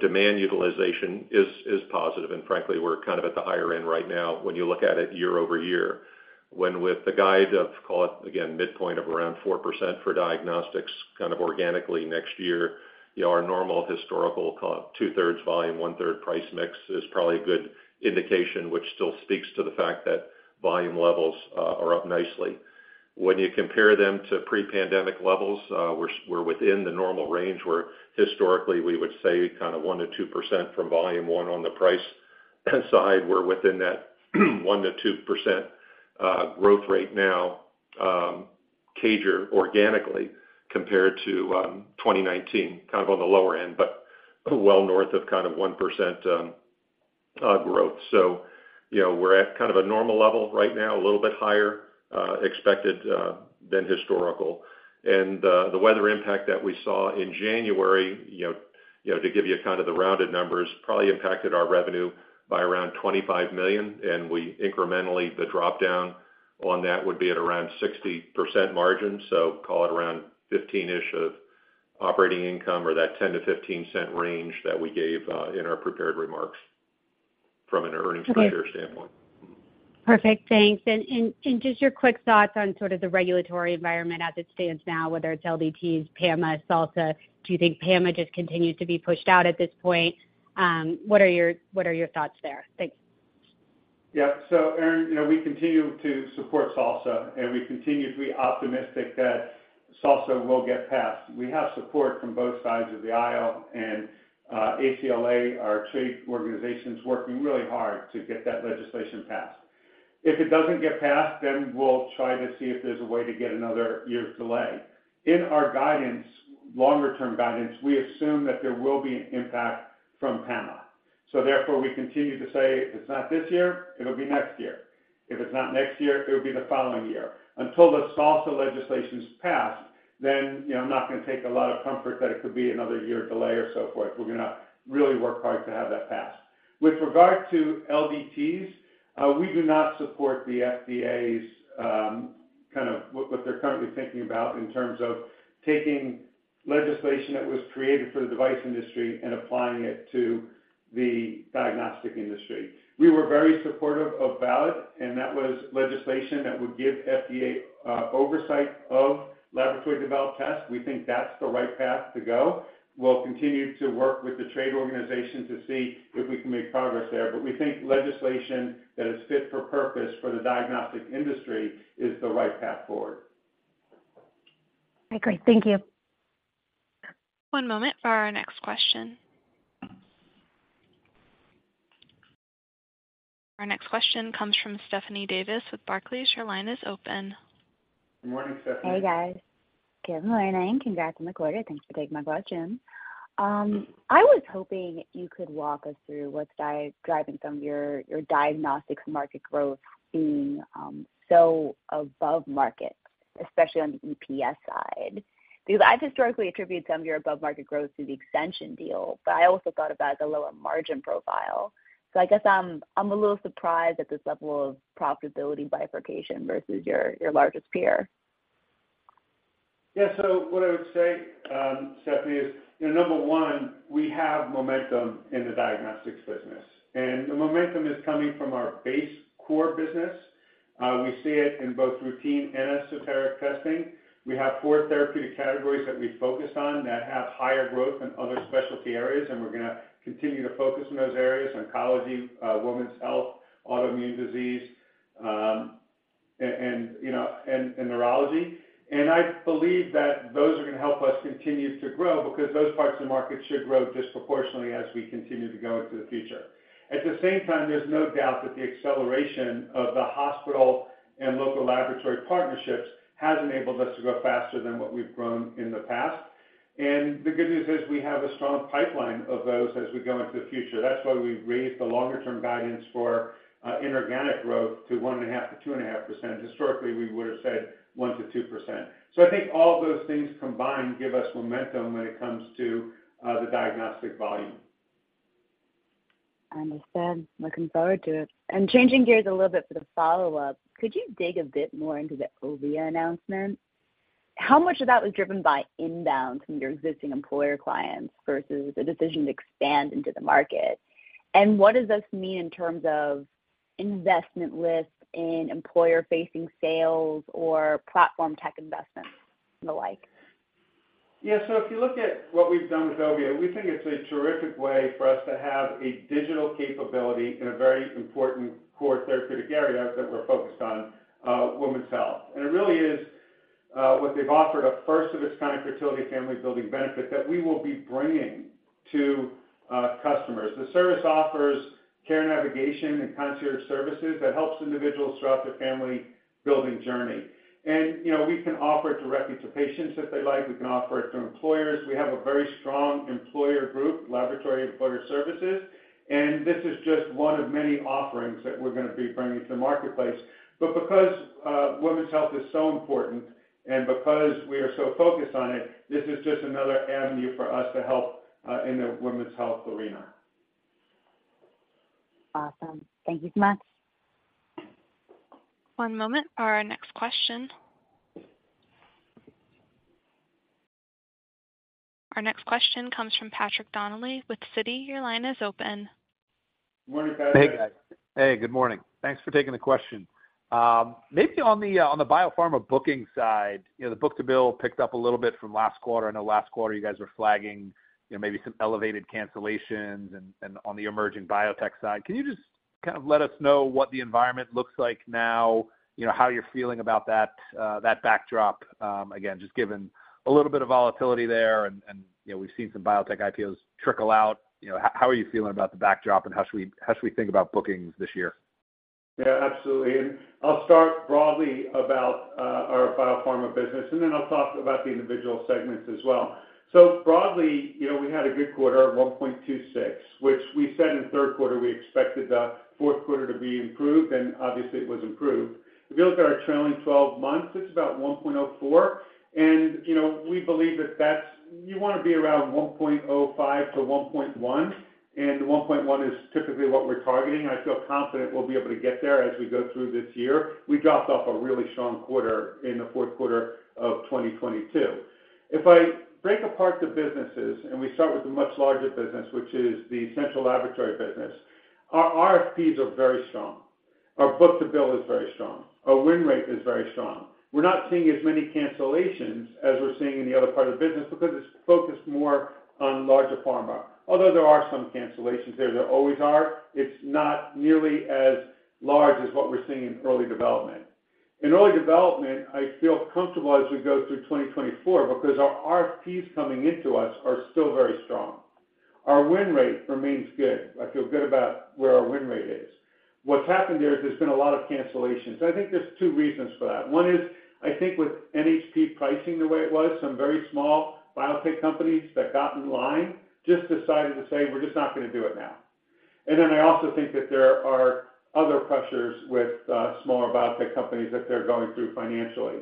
Speaker 4: demand utilization is positive. Frankly, we're kind of at the higher end right now when you look at it year-over-year. When, with the guide of, call it, again, midpoint of around 4% for diagnostics kind of organically next year, our normal historical, call it, 2/3 volume, 1/3 price mix is probably a good indication, which still speaks to the fact that volume levels are up nicely. When you compare them to pre-pandemic levels, we're within the normal range where, historically, we would say kind of 1%-2% from volume. One on the price side, we're within that 1%-2% growth rate now, CAGR, organically compared to 2019, kind of on the lower end but well north of kind of 1% growth. So we're at kind of a normal level right now, a little bit higher, expected than historical. And the weather impact that we saw in January, to give you kind of the rounded numbers, probably impacted our revenue by around $25 million. And incrementally, the dropdown on that would be at around 60% margin, so call it around $15 million-ish of operating income or that $0.10-$0.15 range that we gave in our prepared remarks from an earnings per share standpoint.
Speaker 7: Perfect. Thanks. Just your quick thoughts on sort of the regulatory environment as it stands now, whether it's LDTs, PAMA, SALSA. Do you think PAMA just continues to be pushed out at this point? What are your thoughts there? Thanks.
Speaker 3: Yeah. So, Aaron, we continue to support SALSA, and we continue to be optimistic that SALSA will get passed. We have support from both sides of the aisle, and ACLA, our trade organization, is working really hard to get that legislation passed. If it doesn't get passed, then we'll try to see if there's a way to get another year's delay. In our longer-term guidance, we assume that there will be an impact from PAMA. So, therefore, we continue to say, "If it's not this year, it'll be next year. If it's not next year, it'll be the following year." Until the SALSA legislation's passed, then I'm not going to take a lot of comfort that it could be another year's delay or so forth. We're going to really work hard to have that passed. With regard to LDTs, we do not support the FDA's kind of what they're currently thinking about in terms of taking legislation that was created for the device industry and applying it to the diagnostic industry. We were very supportive of VALID, and that was legislation that would give FDA oversight of laboratory-developed tests. We think that's the right path to go. We'll continue to work with the trade organization to see if we can make progress there. But we think legislation that is fit for purpose for the diagnostic industry is the right path forward.
Speaker 7: All right. Great. Thank you.
Speaker 1: One moment for our next question. Our next question comes from Stephanie Davis with Barclays. Your line is open.
Speaker 3: Good morning, Stephanie.
Speaker 8: Hey, guys. Good morning. Congrats on the quarter. Thanks for taking my question. I was hoping you could walk us through what's driving some of your diagnostics market growth being so above market, especially on the EPS side. Because I've historically attributed some of your above-market growth to the Ascension deal, but I also thought about the lower margin profile. So I guess I'm a little surprised at this level of profitability bifurcation versus your largest peer.
Speaker 3: Yeah. So what I would say, Stephanie, is, number one, we have momentum in the diagnostics business. The momentum is coming from our base core business. We see it in both routine and esoteric testing. We have four therapeutic categories that we focus on that have higher growth than other specialty areas, and we're going to continue to focus on those areas: oncology, women's health, autoimmune disease, and neurology. I believe that those are going to help us continue to grow because those parts of the market should grow disproportionately as we continue to go into the future. At the same time, there's no doubt that the acceleration of the hospital and local laboratory partnerships has enabled us to grow faster than what we've grown in the past. The good news is we have a strong pipeline of those as we go into the future. That's why we raised the longer-term guidance for inorganic growth to 1.5%-2.5%. Historically, we would have said 1%-2%. So I think all of those things combined give us momentum when it comes to the diagnostic volume.
Speaker 9: I understand. Looking forward to it. And changing gears a little bit for the follow-up, could you dig a bit more into the OVIA announcement? How much of that was driven by inbound from your existing employer clients versus a decision to expand into the market? And what does this mean in terms of investment lists in employer-facing sales or platform-tech investments and the like?
Speaker 3: Yeah. So if you look at what we've done with Ovia, we think it's a terrific way for us to have a digital capability in a very important core therapeutic area that we're focused on, women's health. And it really is what they've offered, a first-of-its-kind fertility family-building benefit that we will be bringing to customers. The service offers care navigation and concierge services that helps individuals throughout their family-building journey. And we can offer it directly to patients if they like. We can offer it to employers. We have a very strong employer group, Laboratory Employer Services. And this is just one of many offerings that we're going to be bringing to the marketplace. But because women's health is so important and because we are so focused on it, this is just another avenue for us to help in the women's health arena.
Speaker 8: Awesome. Thank you so much.
Speaker 1: One moment for our next question. Our next question comes from Patrick Donnelly with Citi. Your line is open.
Speaker 3: Good morning, Patrick.
Speaker 10: Hey, guys. Hey. Good morning. Thanks for taking the question. Maybe on the biopharma booking side, the book-to-bill picked up a little bit from last quarter. I know last quarter, you guys were flagging maybe some elevated cancellations on the emerging biotech side. Can you just kind of let us know what the environment looks like now, how you're feeling about that backdrop? Again, just given a little bit of volatility there, and we've seen some biotech IPOs trickle out. How are you feeling about the backdrop, and how should we think about bookings this year?
Speaker 3: Yeah. Absolutely. And I'll start broadly about our biopharma business, and then I'll talk about the individual segments as well. So broadly, we had a good quarter at 1.26, which we said in third quarter we expected the fourth quarter to be improved, and obviously, it was improved. If you look at our trailing 12 months, it's about 1.04. And we believe that that's you want to be around 1.05-1.1, and 1.1 is typically what we're targeting. I feel confident we'll be able to get there as we go through this year. We dropped off a really strong quarter in the fourth quarter of 2022. If I break apart the businesses and we start with the much larger business, which is the central laboratory business, our RFPs are very strong. Our book-to-bill is very strong. Our win rate is very strong. We're not seeing as many cancellations as we're seeing in the other part of the business because it's focused more on larger pharma. Although there are some cancellations there, there always are. It's not nearly as large as what we're seeing in early development. In early development, I feel comfortable as we go through 2024 because our RFPs coming into us are still very strong. Our win rate remains good. I feel good about where our win rate is. What's happened there is there's been a lot of cancellations. I think there's two reasons for that. One is, I think, with NHP pricing the way it was, some very small biotech companies that got in line just decided to say, "We're just not going to do it now." Then I also think that there are other pressures with smaller biotech companies that they're going through financially.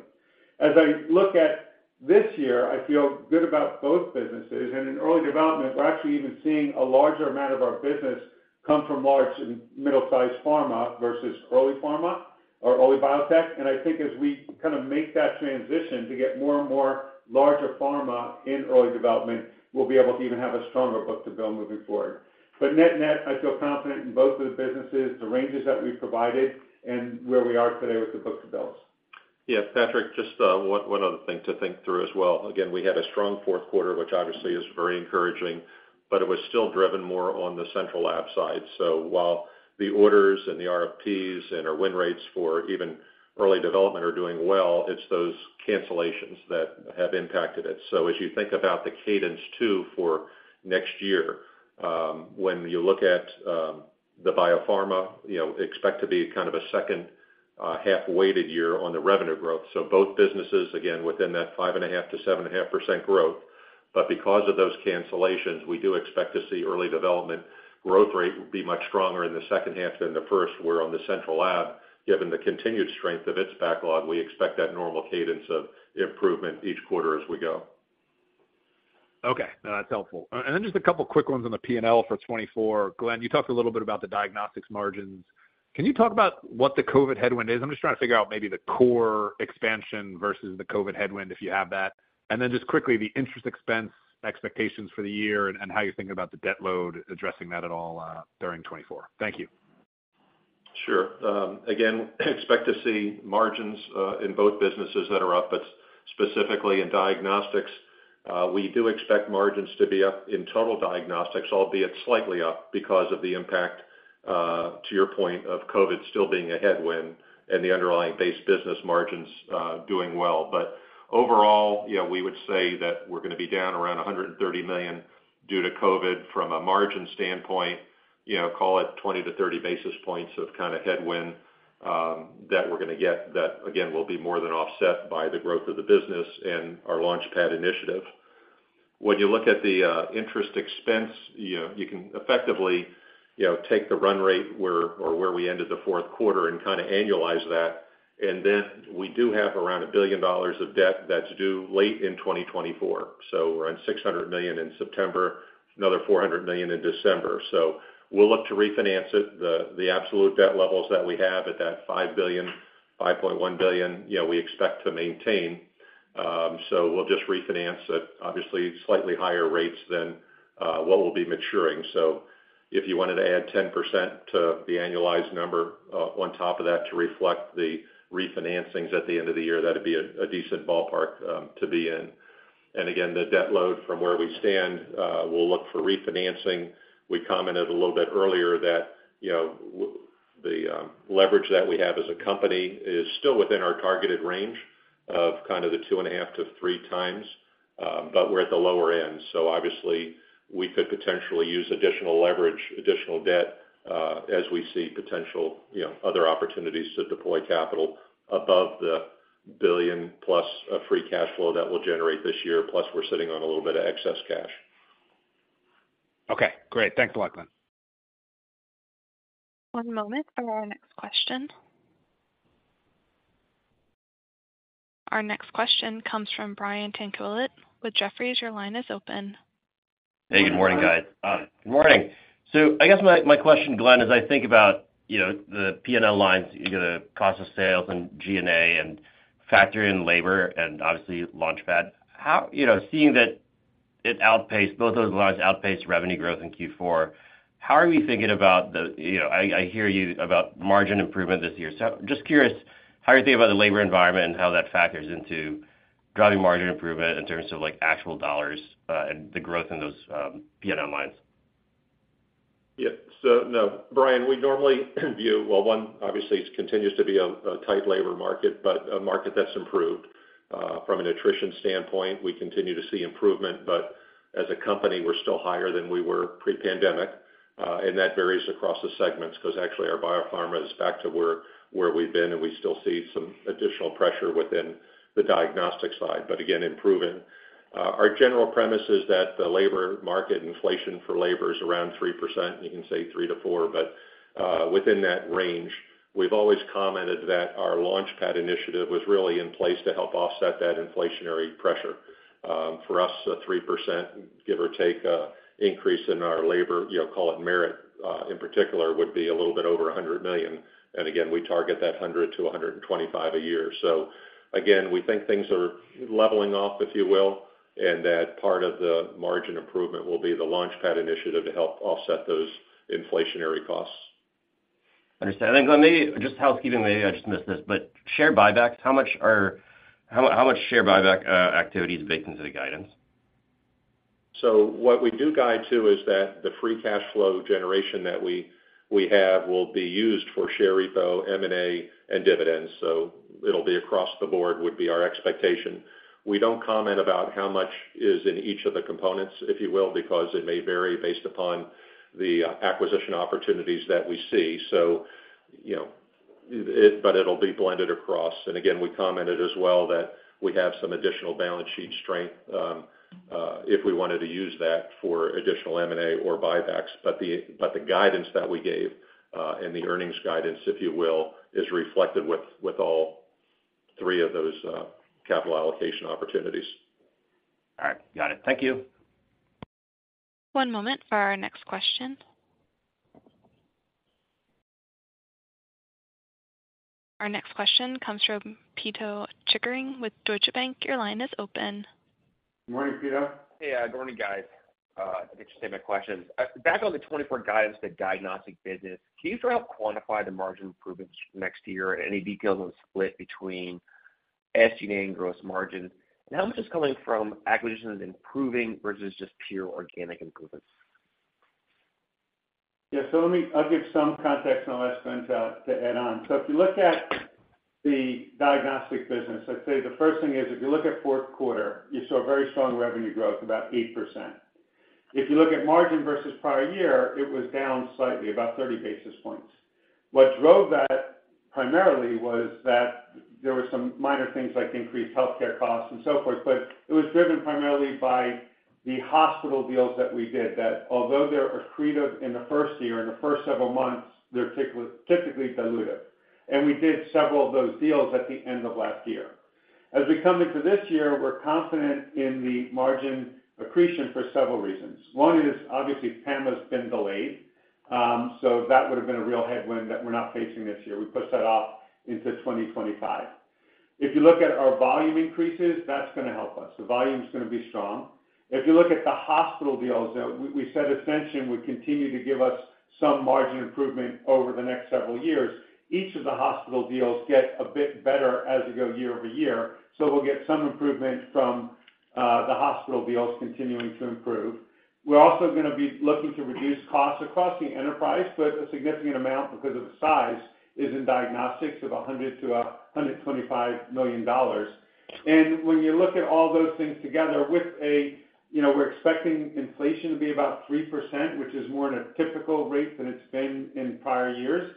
Speaker 3: As I look at this year, I feel good about both businesses. And in early development, we're actually even seeing a larger amount of our business come from large and middle-sized pharma versus early pharma or early biotech. And I think as we kind of make that transition to get more and more larger pharma in early development, we'll be able to even have a stronger book-to-bill moving forward. But net-net, I feel confident in both of the businesses, the ranges that we've provided, and where we are today with the book-to-bills.
Speaker 4: Yeah. Patrick, just one other thing to think through as well. Again, we had a strong fourth quarter, which obviously is very encouraging, but it was still driven more on the central lab side. So while the orders and the RFPs and our win rates for even early development are doing well, it's those cancellations that have impacted it. So as you think about the cadence, too, for next year, when you look at the biopharma, expect to be kind of a second-half-weighted year on the revenue growth. So both businesses, again, within that 5.5%-7.5% growth. But because of those cancellations, we do expect to see early development growth rate be much stronger in the second half than the first, where on the central lab, given the continued strength of its backlog, we expect that normal cadence of improvement each quarter as we go.
Speaker 10: Okay. No, that's helpful. And then just a couple of quick ones on the P&L for 2024. Glenn, you talked a little bit about the diagnostics margins. Can you talk about what the COVID headwind is? I'm just trying to figure out maybe the core expansion versus the COVID headwind, if you have that. And then just quickly, the interest expense expectations for the year and how you're thinking about the debt load, addressing that at all during 2024. Thank you.
Speaker 4: Sure. Again, expect to see margins in both businesses that are up, but specifically in diagnostics. We do expect margins to be up in total diagnostics, albeit slightly up because of the impact, to your point, of COVID still being a headwind and the underlying base business margins doing well. But overall, we would say that we're going to be down around $130 million due to COVID from a margin standpoint, call it 20-30 basis points of kind of headwind that we're going to get that, again, will be more than offset by the growth of the business and our LaunchPad initiative. When you look at the interest expense, you can effectively take the run rate or where we ended the fourth quarter and kind of annualize that. And then we do have around $1 billion of debt that's due late in 2024. So we're on $600 million in September, another $400 million in December. So we'll look to refinance it. The absolute debt levels that we have at that $5 billion-$5.1 billion, we expect to maintain. So we'll just refinance at, obviously, slightly higher rates than what will be maturing. So if you wanted to add 10% to the annualized number on top of that to reflect the refinancings at the end of the year, that'd be a decent ballpark to be in. And again, the debt load from where we stand, we'll look for refinancing. We commented a little bit earlier that the leverage that we have as a company is still within our targeted range of kind of the 2.5-3 times, but we're at the lower end. So obviously, we could potentially use additional leverage, additional debt, as we see potential other opportunities to deploy capital above the $1 billion-plus free cash flow that we'll generate this year, plus we're sitting on a little bit of excess cash. Okay.
Speaker 10: Great. Thanks a lot, Glenn.
Speaker 1: One moment for our next question. Our next question comes from Brian Tanquilut with Jefferies. Your line is open.
Speaker 11: Hey. Good morning, guys. Good morning. So I guess my question, Glenn, is I think about the P&L lines, you got the cost of sales and G&A and factor in labor and obviously LaunchPad. Seeing that it outpaced both those lines outpaced revenue growth in Q4, how are we thinking about the. I hear you about margin improvement this year. So just curious how you think about the labor environment and how that factors into driving margin improvement in terms of actual dollars and the growth in those P&L lines.
Speaker 3: Yeah. So no, Brian, we normally view well, one, obviously, it continues to be a tight labor market, but a market that's improved. From a retention standpoint, we continue to see improvement, but as a company, we're still higher than we were pre-pandemic. And that varies across the segments because actually, our biopharma is back to where we've been, and we still see some additional pressure within the diagnostic side, but again, improving. Our general premise is that the labor market inflation for labor is around 3%. You can say 3%-4%, but within that range. We've always commented that our LaunchPad initiative was really in place to help offset that inflationary pressure. For us, a 3%, give or take, increase in our labor, call it merit in particular, would be a little bit over $100 million. And again, we target that $100 million-$125 million a year. So again, we think things are leveling off, if you will, and that part of the margin improvement will be the LaunchPad initiative to help offset those inflationary costs.
Speaker 11: Understood. And then Glenn, maybe just housekeeping, maybe I just missed this, but share buybacks, how much are how much share buyback activity is baked into the guidance?
Speaker 3: So what we do guide, too, is that the free cash flow generation that we have will be used for share repo, M&A, and dividends. So it'll be across the board would be our expectation. We don't comment about how much is in each of the components, if you will, because it may vary based upon the acquisition opportunities that we see. But it'll be blended across. And again, we commented as well that we have some additional balance sheet strength if we wanted to use that for additional M&A or buybacks. But the guidance that we gave and the earnings guidance, if you will, is reflected with all three of those capital allocation opportunities.
Speaker 11: All right. Got it. Thank you.
Speaker 1: One moment for our next question. Our next question comes from Pito Chickering with Deutsche Bank. Your line is open.
Speaker 3: Good morning, Pito.
Speaker 12: Hey. Good morning, guys. I think you just heard my questions. Back on the 2024 guidance to diagnostic business, can you sort of help quantify the margin improvements next year and any details on the split between SG&A and gross margin? And how much is coming from acquisitions improving versus just pure organic improvements?
Speaker 3: Yeah. So I'll give some context, and I'll ask Glenn to add on. So if you look at the diagnostic business, I'd say the first thing is if you look at fourth quarter, you saw very strong revenue growth, about 8%. If you look at margin versus prior year, it was down slightly, about 30 basis points. What drove that primarily was that there were some minor things like increased healthcare costs and so forth, but it was driven primarily by the hospital deals that we did, that although they're accretive in the first year, in the first several months, they're typically dilutive. And we did several of those deals at the end of last year. As we come into this year, we're confident in the margin accretion for several reasons. One is, obviously, PAMA's been delayed, so that would have been a real headwind that we're not facing this year. We push that off into 2025. If you look at our volume increases, that's going to help us. The volume's going to be strong. If you look at the hospital deals, though, we said Ascension would continue to give us some margin improvement over the next several years. Each of the hospital deals get a bit better as you go year-over-year, so we'll get some improvement from the hospital deals continuing to improve. We're also going to be looking to reduce costs across the enterprise, but a significant amount because of the size is in diagnostics of $100 million-$125 million. When you look at all those things together with, we're expecting inflation to be about 3%, which is more in a typical rate than it's been in prior years.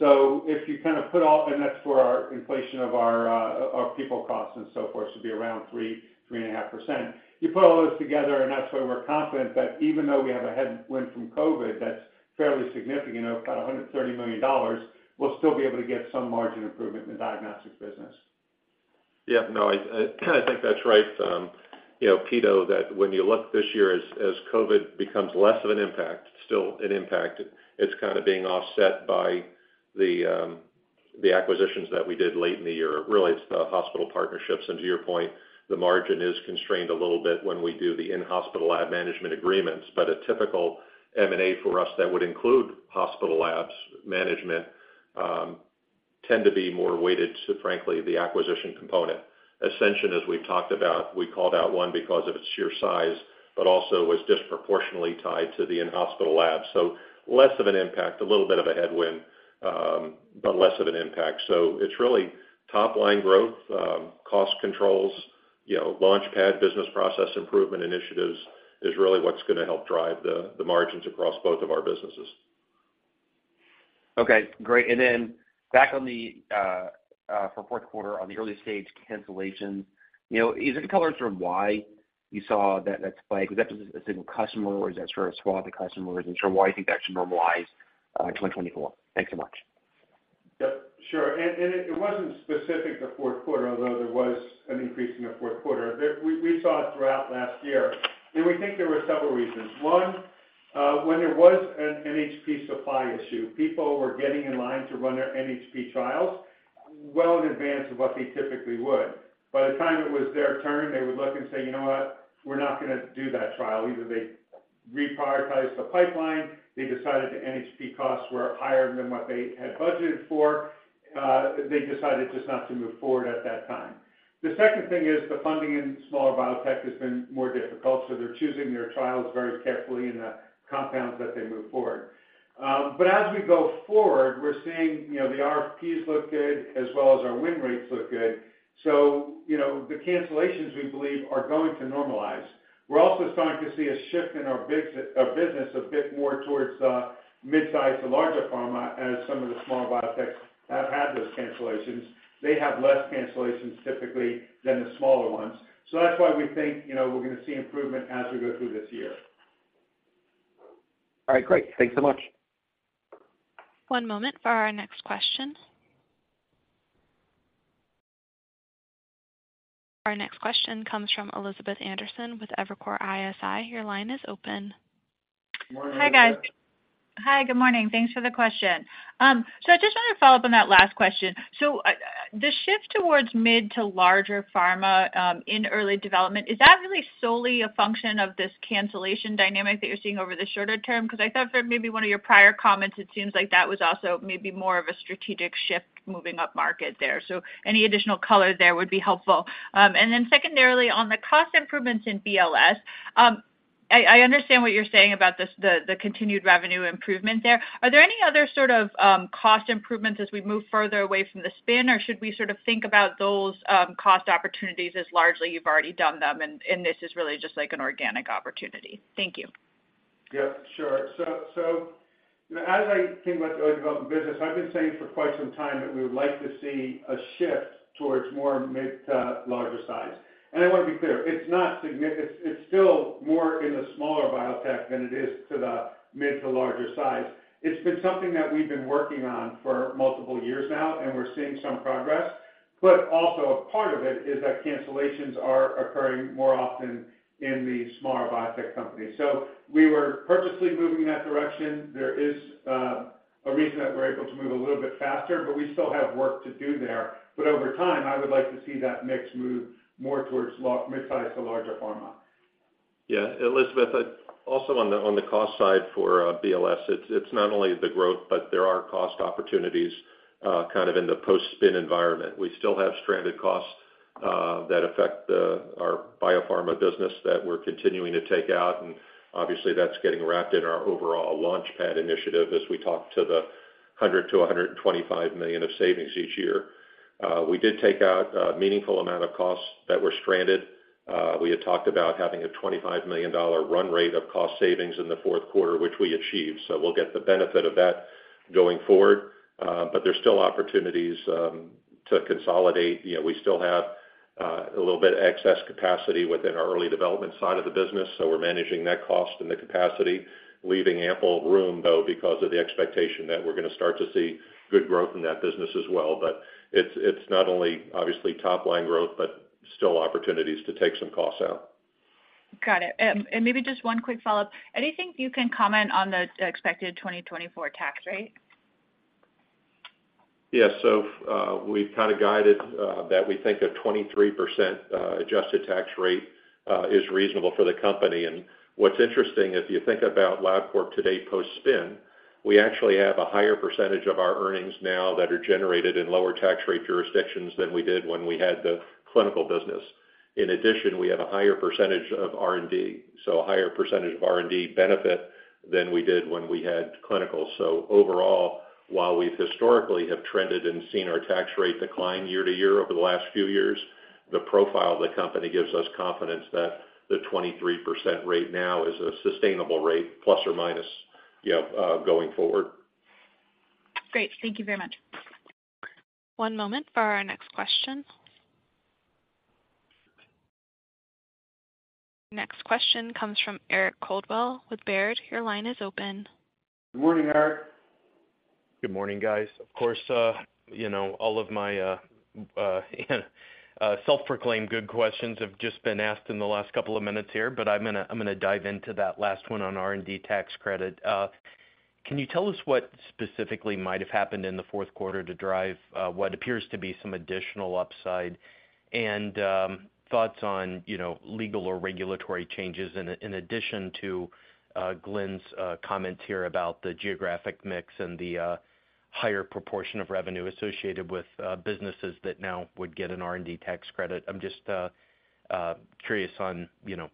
Speaker 3: If you kind of put all and that's for our inflation of our people costs and so forth, should be around 3%-3.5%. You put all those together, and that's why we're confident that even though we have a headwind from COVID that's fairly significant, about $130 million, we'll still be able to get some margin improvement in the diagnostics business.
Speaker 4: Yeah. No, I think that's right, Pito, that when you look this year as COVID becomes less of an impact, still an impact, it's kind of being offset by the acquisitions that we did late in the year. Really, it's the hospital partnerships. And to your point, the margin is constrained a little bit when we do the in-hospital lab management agreements, but a typical M&A for us that would include hospital labs management tend to be more weighted to, frankly, the acquisition component. Ascension, as we've talked about, we called out one because of its sheer size, but also was disproportionately tied to the in-hospital labs. So less of an impact, a little bit of a headwind, but less of an impact. So it's really top-line growth, cost controls, LaunchPad, business process improvement initiatives is really what's going to help drive the margins across both of our businesses.
Speaker 12: Okay. Great. And then back to the fourth quarter, on the early-stage cancellations, is there any color to why you saw that spike? Was that just a single customer, or is that sort of a swath of customers? I'm not sure why you think that should normalize in 2024. Thanks so much. Yep. Sure. And it wasn't specific to fourth quarter, although there was an increase in the fourth quarter. We saw it throughout last year. And we think there were several reasons. One, when there was an NHP supply issue, people were getting in line to run their NHP trials well in advance of what they typically would. By the time it was their turn, they would look and say, "You know what? We're not going to do that trial." Either they reprioritized the pipeline, they decided the NHP costs were higher than what they had budgeted for, they decided just not to move forward at that time. The second thing is the funding in smaller biotech has been more difficult, so they're choosing their trials very carefully in the compounds that they move forward. But as we go forward, we're seeing the RFPs look good as well as our win rates look good. So the cancellations, we believe, are going to normalize. We're also starting to see a shift in our business a bit more towards midsize to larger pharma as some of the smaller biotechs have had those cancellations. They have less cancellations typically than the smaller ones. So that's why we think we're going to see improvement as we go through this year. All right. Great. Thanks so much.
Speaker 1: One moment for our next question. Our next question comes from Elizabeth Anderson with Evercore ISI. Your line is open.
Speaker 3: Good morning.
Speaker 13: Hi, guys. Hi. Good morning. Thanks for the question. So I just wanted to follow up on that last question. So the shift towards mid to larger pharma in early development, is that really solely a function of this cancellation dynamic that you're seeing over the shorter term? Because I thought from maybe one of your prior comments, it seems like that was also maybe more of a strategic shift moving up market there. So any additional color there would be helpful. And then secondarily, on the cost improvements in BLS, I understand what you're saying about the continued revenue improvement there. Are there any other sort of cost improvements as we move further away from the spin, or should we sort of think about those cost opportunities as largely you've already done them, and this is really just an organic opportunity? Thank you.
Speaker 3: Yep. Sure. So as I think about the early development business, I've been saying for quite some time that we would like to see a shift towards more mid to larger size. I want to be clear, it's still more in the smaller biotech than it is to the mid to larger size. It's been something that we've been working on for multiple years now, and we're seeing some progress. Also a part of it is that cancellations are occurring more often in the smaller biotech companies. So we were purposely moving in that direction. There is a reason that we're able to move a little bit faster, but we still have work to do there. Over time, I would like to see that mix move more towards midsize to larger pharma.
Speaker 4: Yeah. Elizabeth, also on the cost side for BLS, it's not only the growth, but there are cost opportunities kind of in the post-spin environment. We still have stranded costs that affect our biopharma business that we're continuing to take out. And obviously, that's getting wrapped in our overall LaunchPad initiative as we talk to the $100 million-$125 million of savings each year. We did take out a meaningful amount of costs that were stranded. We had talked about having a $25 million run rate of cost savings in the fourth quarter, which we achieved. So we'll get the benefit of that going forward. But there's still opportunities to consolidate. We still have a little bit of excess capacity within our early development side of the business, so we're managing that cost and the capacity, leaving ample room, though, because of the expectation that we're going to start to see good growth in that business as well. But it's not only, obviously, top-line growth, but still opportunities to take some costs out.
Speaker 13: Got it. Maybe just one quick follow-up. Anything you can comment on the expected 2024 tax rate?
Speaker 3: Yeah. So we've kind of guided that we think a 23% adjusted tax rate is reasonable for the company. And what's interesting, if you think about Labcorp today post-spin, we actually have a higher percentage of our earnings now that are generated in lower tax rate jurisdictions than we did when we had the clinical business. In addition, we have a higher percentage of R&D, so a higher percentage of R&D benefit than we did when we had clinicals. So overall, while we've historically have trended and seen our tax rate decline year to year over the last few years, the profile of the company gives us confidence that the 23% rate now is a sustainable rate plus or minus going forward.
Speaker 1: Great. Thank you very much. One moment for our next question. Next question comes from Eric Coldwell with Baird. Your line is open.
Speaker 3: Good morning, Eric.
Speaker 14: Good morning, guys. Of course, all of my self-proclaimed good questions have just been asked in the last couple of minutes here, but I'm going to dive into that last one on R&D tax credit. Can you tell us what specifically might have happened in the fourth quarter to drive what appears to be some additional upside and thoughts on legal or regulatory changes in addition to Glenn's comments here about the geographic mix and the higher proportion of revenue associated with businesses that now would get an R&D tax credit? I'm just curious on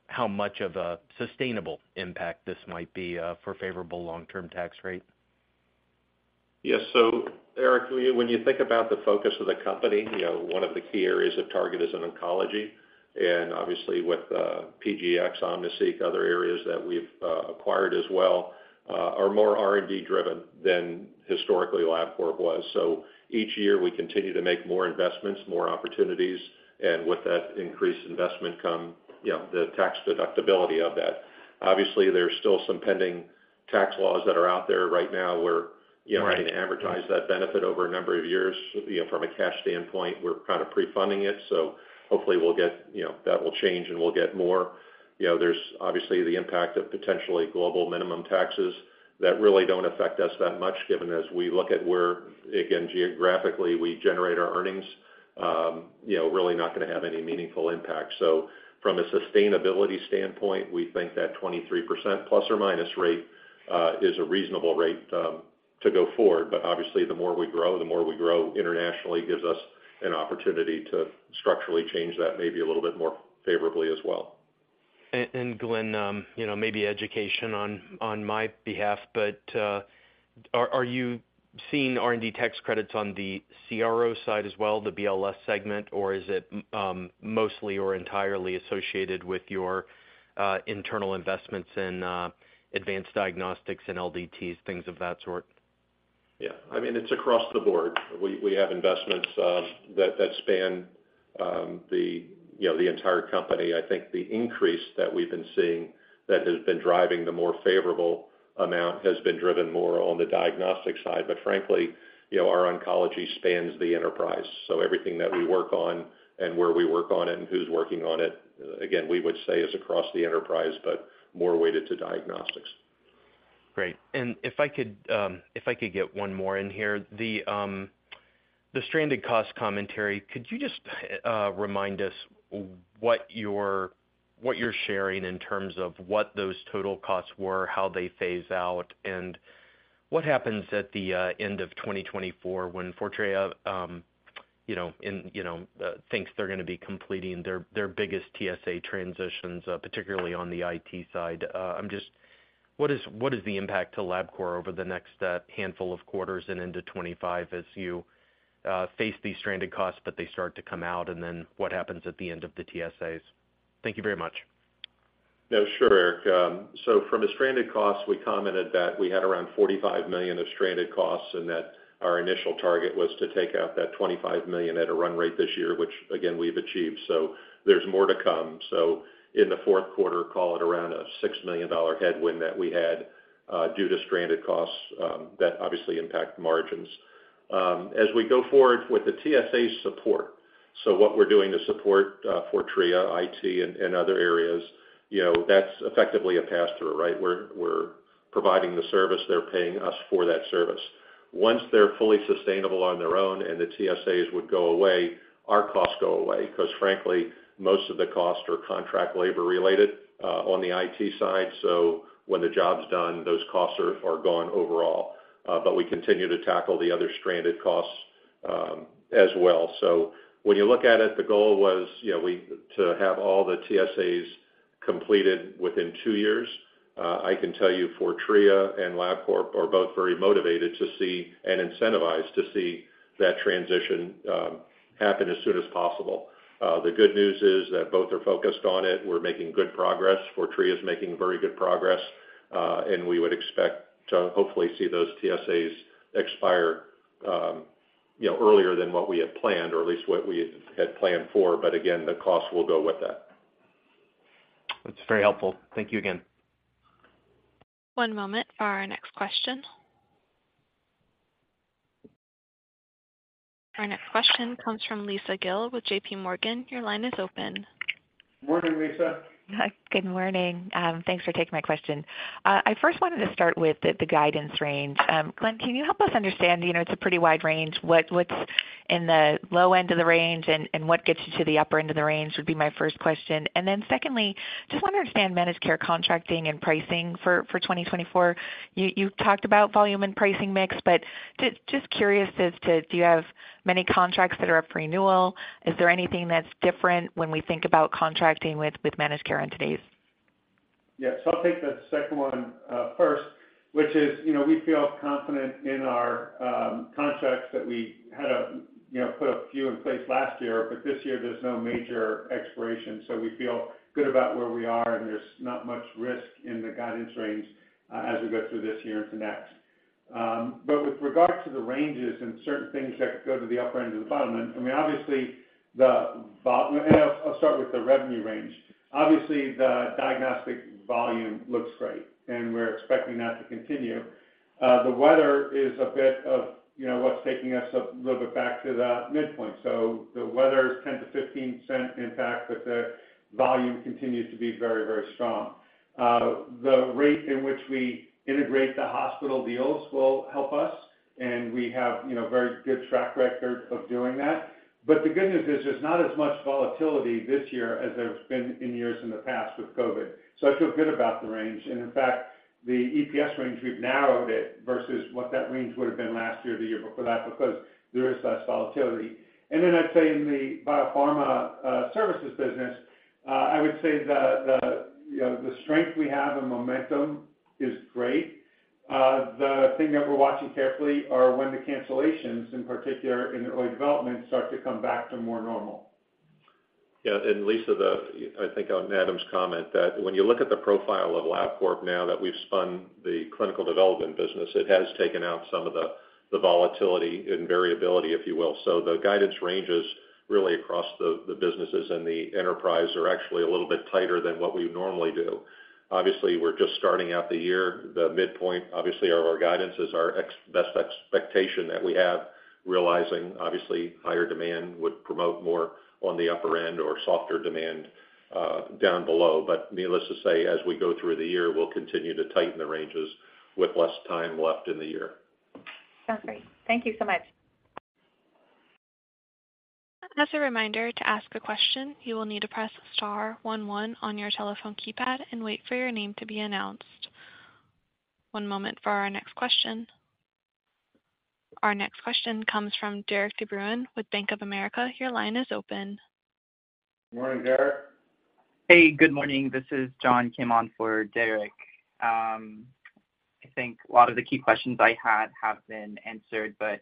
Speaker 14: how much of a sustainable impact this might be for a favorable long-term tax rate.
Speaker 3: Yeah. So Eric, when you think about the focus of the company, one of the key areas of target is in oncology. And obviously, with PGx, OmniSeq, other areas that we've acquired as well are more R&D-driven than historically Labcorp was. So each year, we continue to make more investments, more opportunities, and with that increased investment come, yeah, the tax deductibility of that. Obviously, there's still some pending tax laws that are out there right now. We're trying to amortize that benefit over a number of years. From a cash standpoint, we're kind of pre-funding it. So hopefully, that will change, and we'll get more. There's obviously the impact of potentially global minimum taxes that really don't affect us that much given as we look at where, again, geographically, we generate our earnings, really not going to have any meaningful impact. So from a sustainability standpoint, we think that 23% ± rate is a reasonable rate to go forward. But obviously, the more we grow, the more we grow internationally gives us an opportunity to structurally change that maybe a little bit more favorably as well.
Speaker 15: And Glenn, maybe education on my behalf, but are you seeing R&D tax credits on the CRO side as well, the BLS segment, or is it mostly or entirely associated with your internal investments in advanced diagnostics and LDTs, things of that sort?
Speaker 3: Yeah. I mean, it's across the board. We have investments that span the entire company. I think the increase that we've been seeing that has been driving the more favorable amount has been driven more on the diagnostic side. But frankly, our oncology spans the enterprise. So everything that we work on and where we work on it and who's working on it, again, we would say is across the enterprise, but more weighted to diagnostics.
Speaker 14: Great. And if I could get one more in here, the stranded cost commentary, could you just remind us what you're sharing in terms of what those total costs were, how they phase out, and what happens at the end of 2024 when Fortrea thinks they're going to be completing their biggest TSA transitions, particularly on the IT side? What is the impact to Labcorp over the next handful of quarters and into 2025 as you face these stranded costs, but they start to come out, and then what happens at the end of the TSAs? Thank you very much.
Speaker 3: No, sure, Eric. So from a stranded cost, we commented that we had around $45 million of stranded costs and that our initial target was to take out that $25 million at a run rate this year, which, again, we've achieved. So there's more to come. So in the fourth quarter, call it around a $6 million headwind that we had due to stranded costs that obviously impact margins. As we go forward with the TSA support, so what we're doing to support Fortrea, IT, and other areas, that's effectively a pass-through, right? We're providing the service. They're paying us for that service. Once they're fully sustainable on their own and the TSAs would go away, our costs go away because, frankly, most of the costs are contract labor-related on the IT side. So when the job's done, those costs are gone overall. We continue to tackle the other stranded costs as well. When you look at it, the goal was to have all the TSAs completed within two years. I can tell you Fortrea and Labcorp are both very motivated to see and incentivized to see that transition happen as soon as possible. The good news is that both are focused on it. We're making good progress. Fortrea is making very good progress. And we would expect to hopefully see those TSAs expire earlier than what we had planned, or at least what we had planned for. But again, the costs will go with that.
Speaker 14: That's very helpful. Thank you again.
Speaker 1: One moment for our next question. Our next question comes from Lisa Gill with JPMorgan. Your line is open.
Speaker 3: Morning, Lisa.
Speaker 16: Good morning. Thanks for taking my question. I first wanted to start with the guidance range. Glenn, can you help us understand it's a pretty wide range? What's in the low end of the range and what gets you to the upper end of the range would be my first question. And then secondly, just want to understand managed care contracting and pricing for 2024. You talked about volume and pricing mix, but just curious as to do you have many contracts that are up for renewal? Is there anything that's different when we think about contracting with managed care entities?
Speaker 3: Yeah. So I'll take the second one first, which is we feel confident in our contracts that we had put a few in place last year, but this year, there's no major expiration. So we feel good about where we are, and there's not much risk in the guidance range as we go through this year into next. But with regard to the ranges and certain things that go to the upper end to the bottom, I mean, obviously, the and I'll start with the revenue range. Obviously, the diagnostic volume looks great, and we're expecting that to continue. The weather is a bit of what's taking us a little bit back to the midpoint. So the weather's $0.10-$0.15 impact, but the volume continues to be very, very strong. The rate in which we integrate the hospital deals will help us, and we have a very good track record of doing that. But the good news is there's not as much volatility this year as there's been in years in the past with COVID. So I feel good about the range. And in fact, the EPS range, we've narrowed it versus what that range would have been last year or the year before that because there is less volatility. And then I'd say in the biopharma services business, I would say the strength we have and momentum is great. The thing that we're watching carefully are when the cancellations, in particular in early development, start to come back to more normal.
Speaker 4: Yeah. And Lisa, I think on Adam's comment that when you look at the profile of Labcorp now that we've spun the clinical development business, it has taken out some of the volatility and variability, if you will. So the guidance ranges really across the businesses and the enterprise are actually a little bit tighter than what we normally do. Obviously, we're just starting out the year. The midpoint, obviously, of our guidance is our best expectation that we have. Realizing, obviously, higher demand would promote more on the upper end or softer demand down below. But needless to say, as we go through the year, we'll continue to tighten the ranges with less time left in the year.
Speaker 1: Sounds great. Thank you so much. As a reminder, to ask a question, you will need to press star 11 on your telephone keypad and wait for your name to be announced. One moment for our next question. Our next question comes from Derik de Bruin with Bank of America. Your line is open.
Speaker 3: Morning, Derik.
Speaker 9: Hey, good morning. This is John Kim for Derik de Bruin. I think a lot of the key questions I had have been answered, but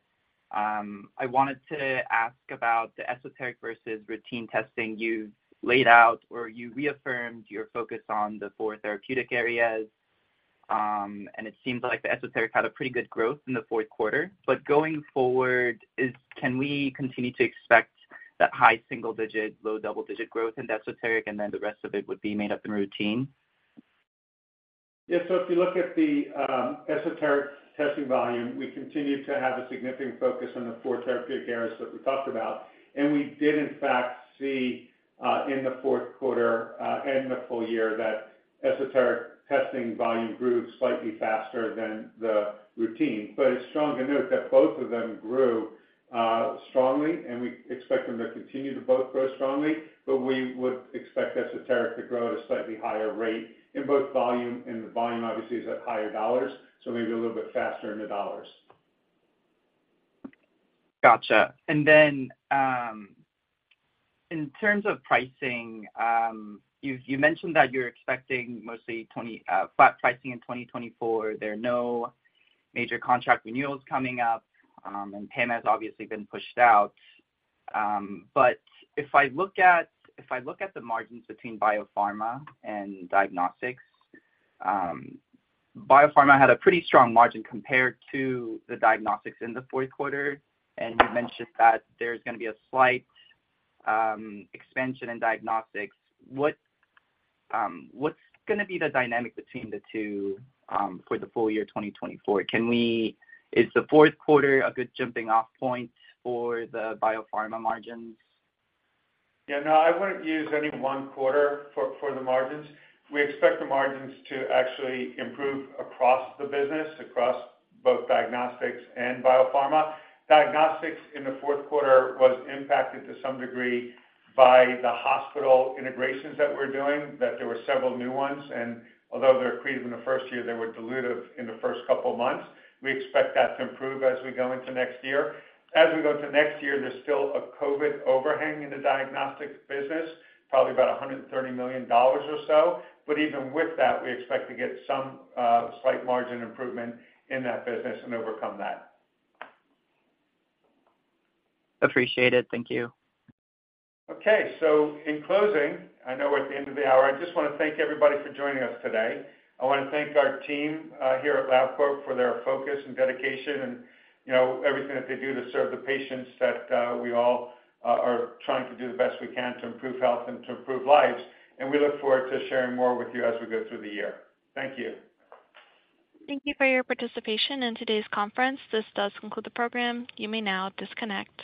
Speaker 9: I wanted to ask about the esoteric versus routine testing you've laid out, or you reaffirmed your focus on the four therapeutic areas. And it seems like the esoteric had a pretty good growth in the fourth quarter. But going forward, can we continue to expect that high single-digit, low double-digit growth in the esoteric, and then the rest of it would be made up in routine?
Speaker 3: Yeah. So if you look at the esoteric testing volume, we continue to have a significant focus on the four therapeutic areas that we talked about. And we did, in fact, see in the fourth quarter and the full year that esoteric testing volume grew slightly faster than the routine. But it's strong to note that both of them grew strongly, and we expect them to continue to both grow strongly. But we would expect esoteric to grow at a slightly higher rate in both volume, and the volume, obviously, is at higher dollars, so maybe a little bit faster in the dollars.
Speaker 9: Gotcha. And then in terms of pricing, you mentioned that you're expecting mostly flat pricing in 2024. There are no major contract renewals coming up, and payment has obviously been pushed out. But if I look at the margins between biopharma and diagnostics, biopharma had a pretty strong margin compared to the diagnostics in the fourth quarter. And you mentioned that there's going to be a slight expansion in diagnostics. What's going to be the dynamic between the two for the full year 2024? Is the fourth quarter a good jumping-off point for the biopharma margins?
Speaker 3: Yeah. No, I wouldn't use any one quarter for the margins. We expect the margins to actually improve across the business, across both diagnostics and biopharma. Diagnostics in the fourth quarter was impacted to some degree by the hospital integrations that we're doing, that there were several new ones. And although they're accretive in the first year, they were dilutive in the first couple of months. We expect that to improve as we go into next year. As we go into next year, there's still a COVID overhang in the diagnostics business, probably about $130 million or so. But even with that, we expect to get some slight margin improvement in that business and overcome that.
Speaker 9: Appreciate it. Thank you.
Speaker 3: Okay. So in closing, I know at the end of the hour, I just want to thank everybody for joining us today. I want to thank our team here at Labcorp for their focus and dedication and everything that they do to serve the patients that we all are trying to do the best we can to improve health and to improve lives. And we look forward to sharing more with you as we go through the year. Thank you.
Speaker 1: Thank you for your participation in today's conference. This does conclude the program. You may now disconnect.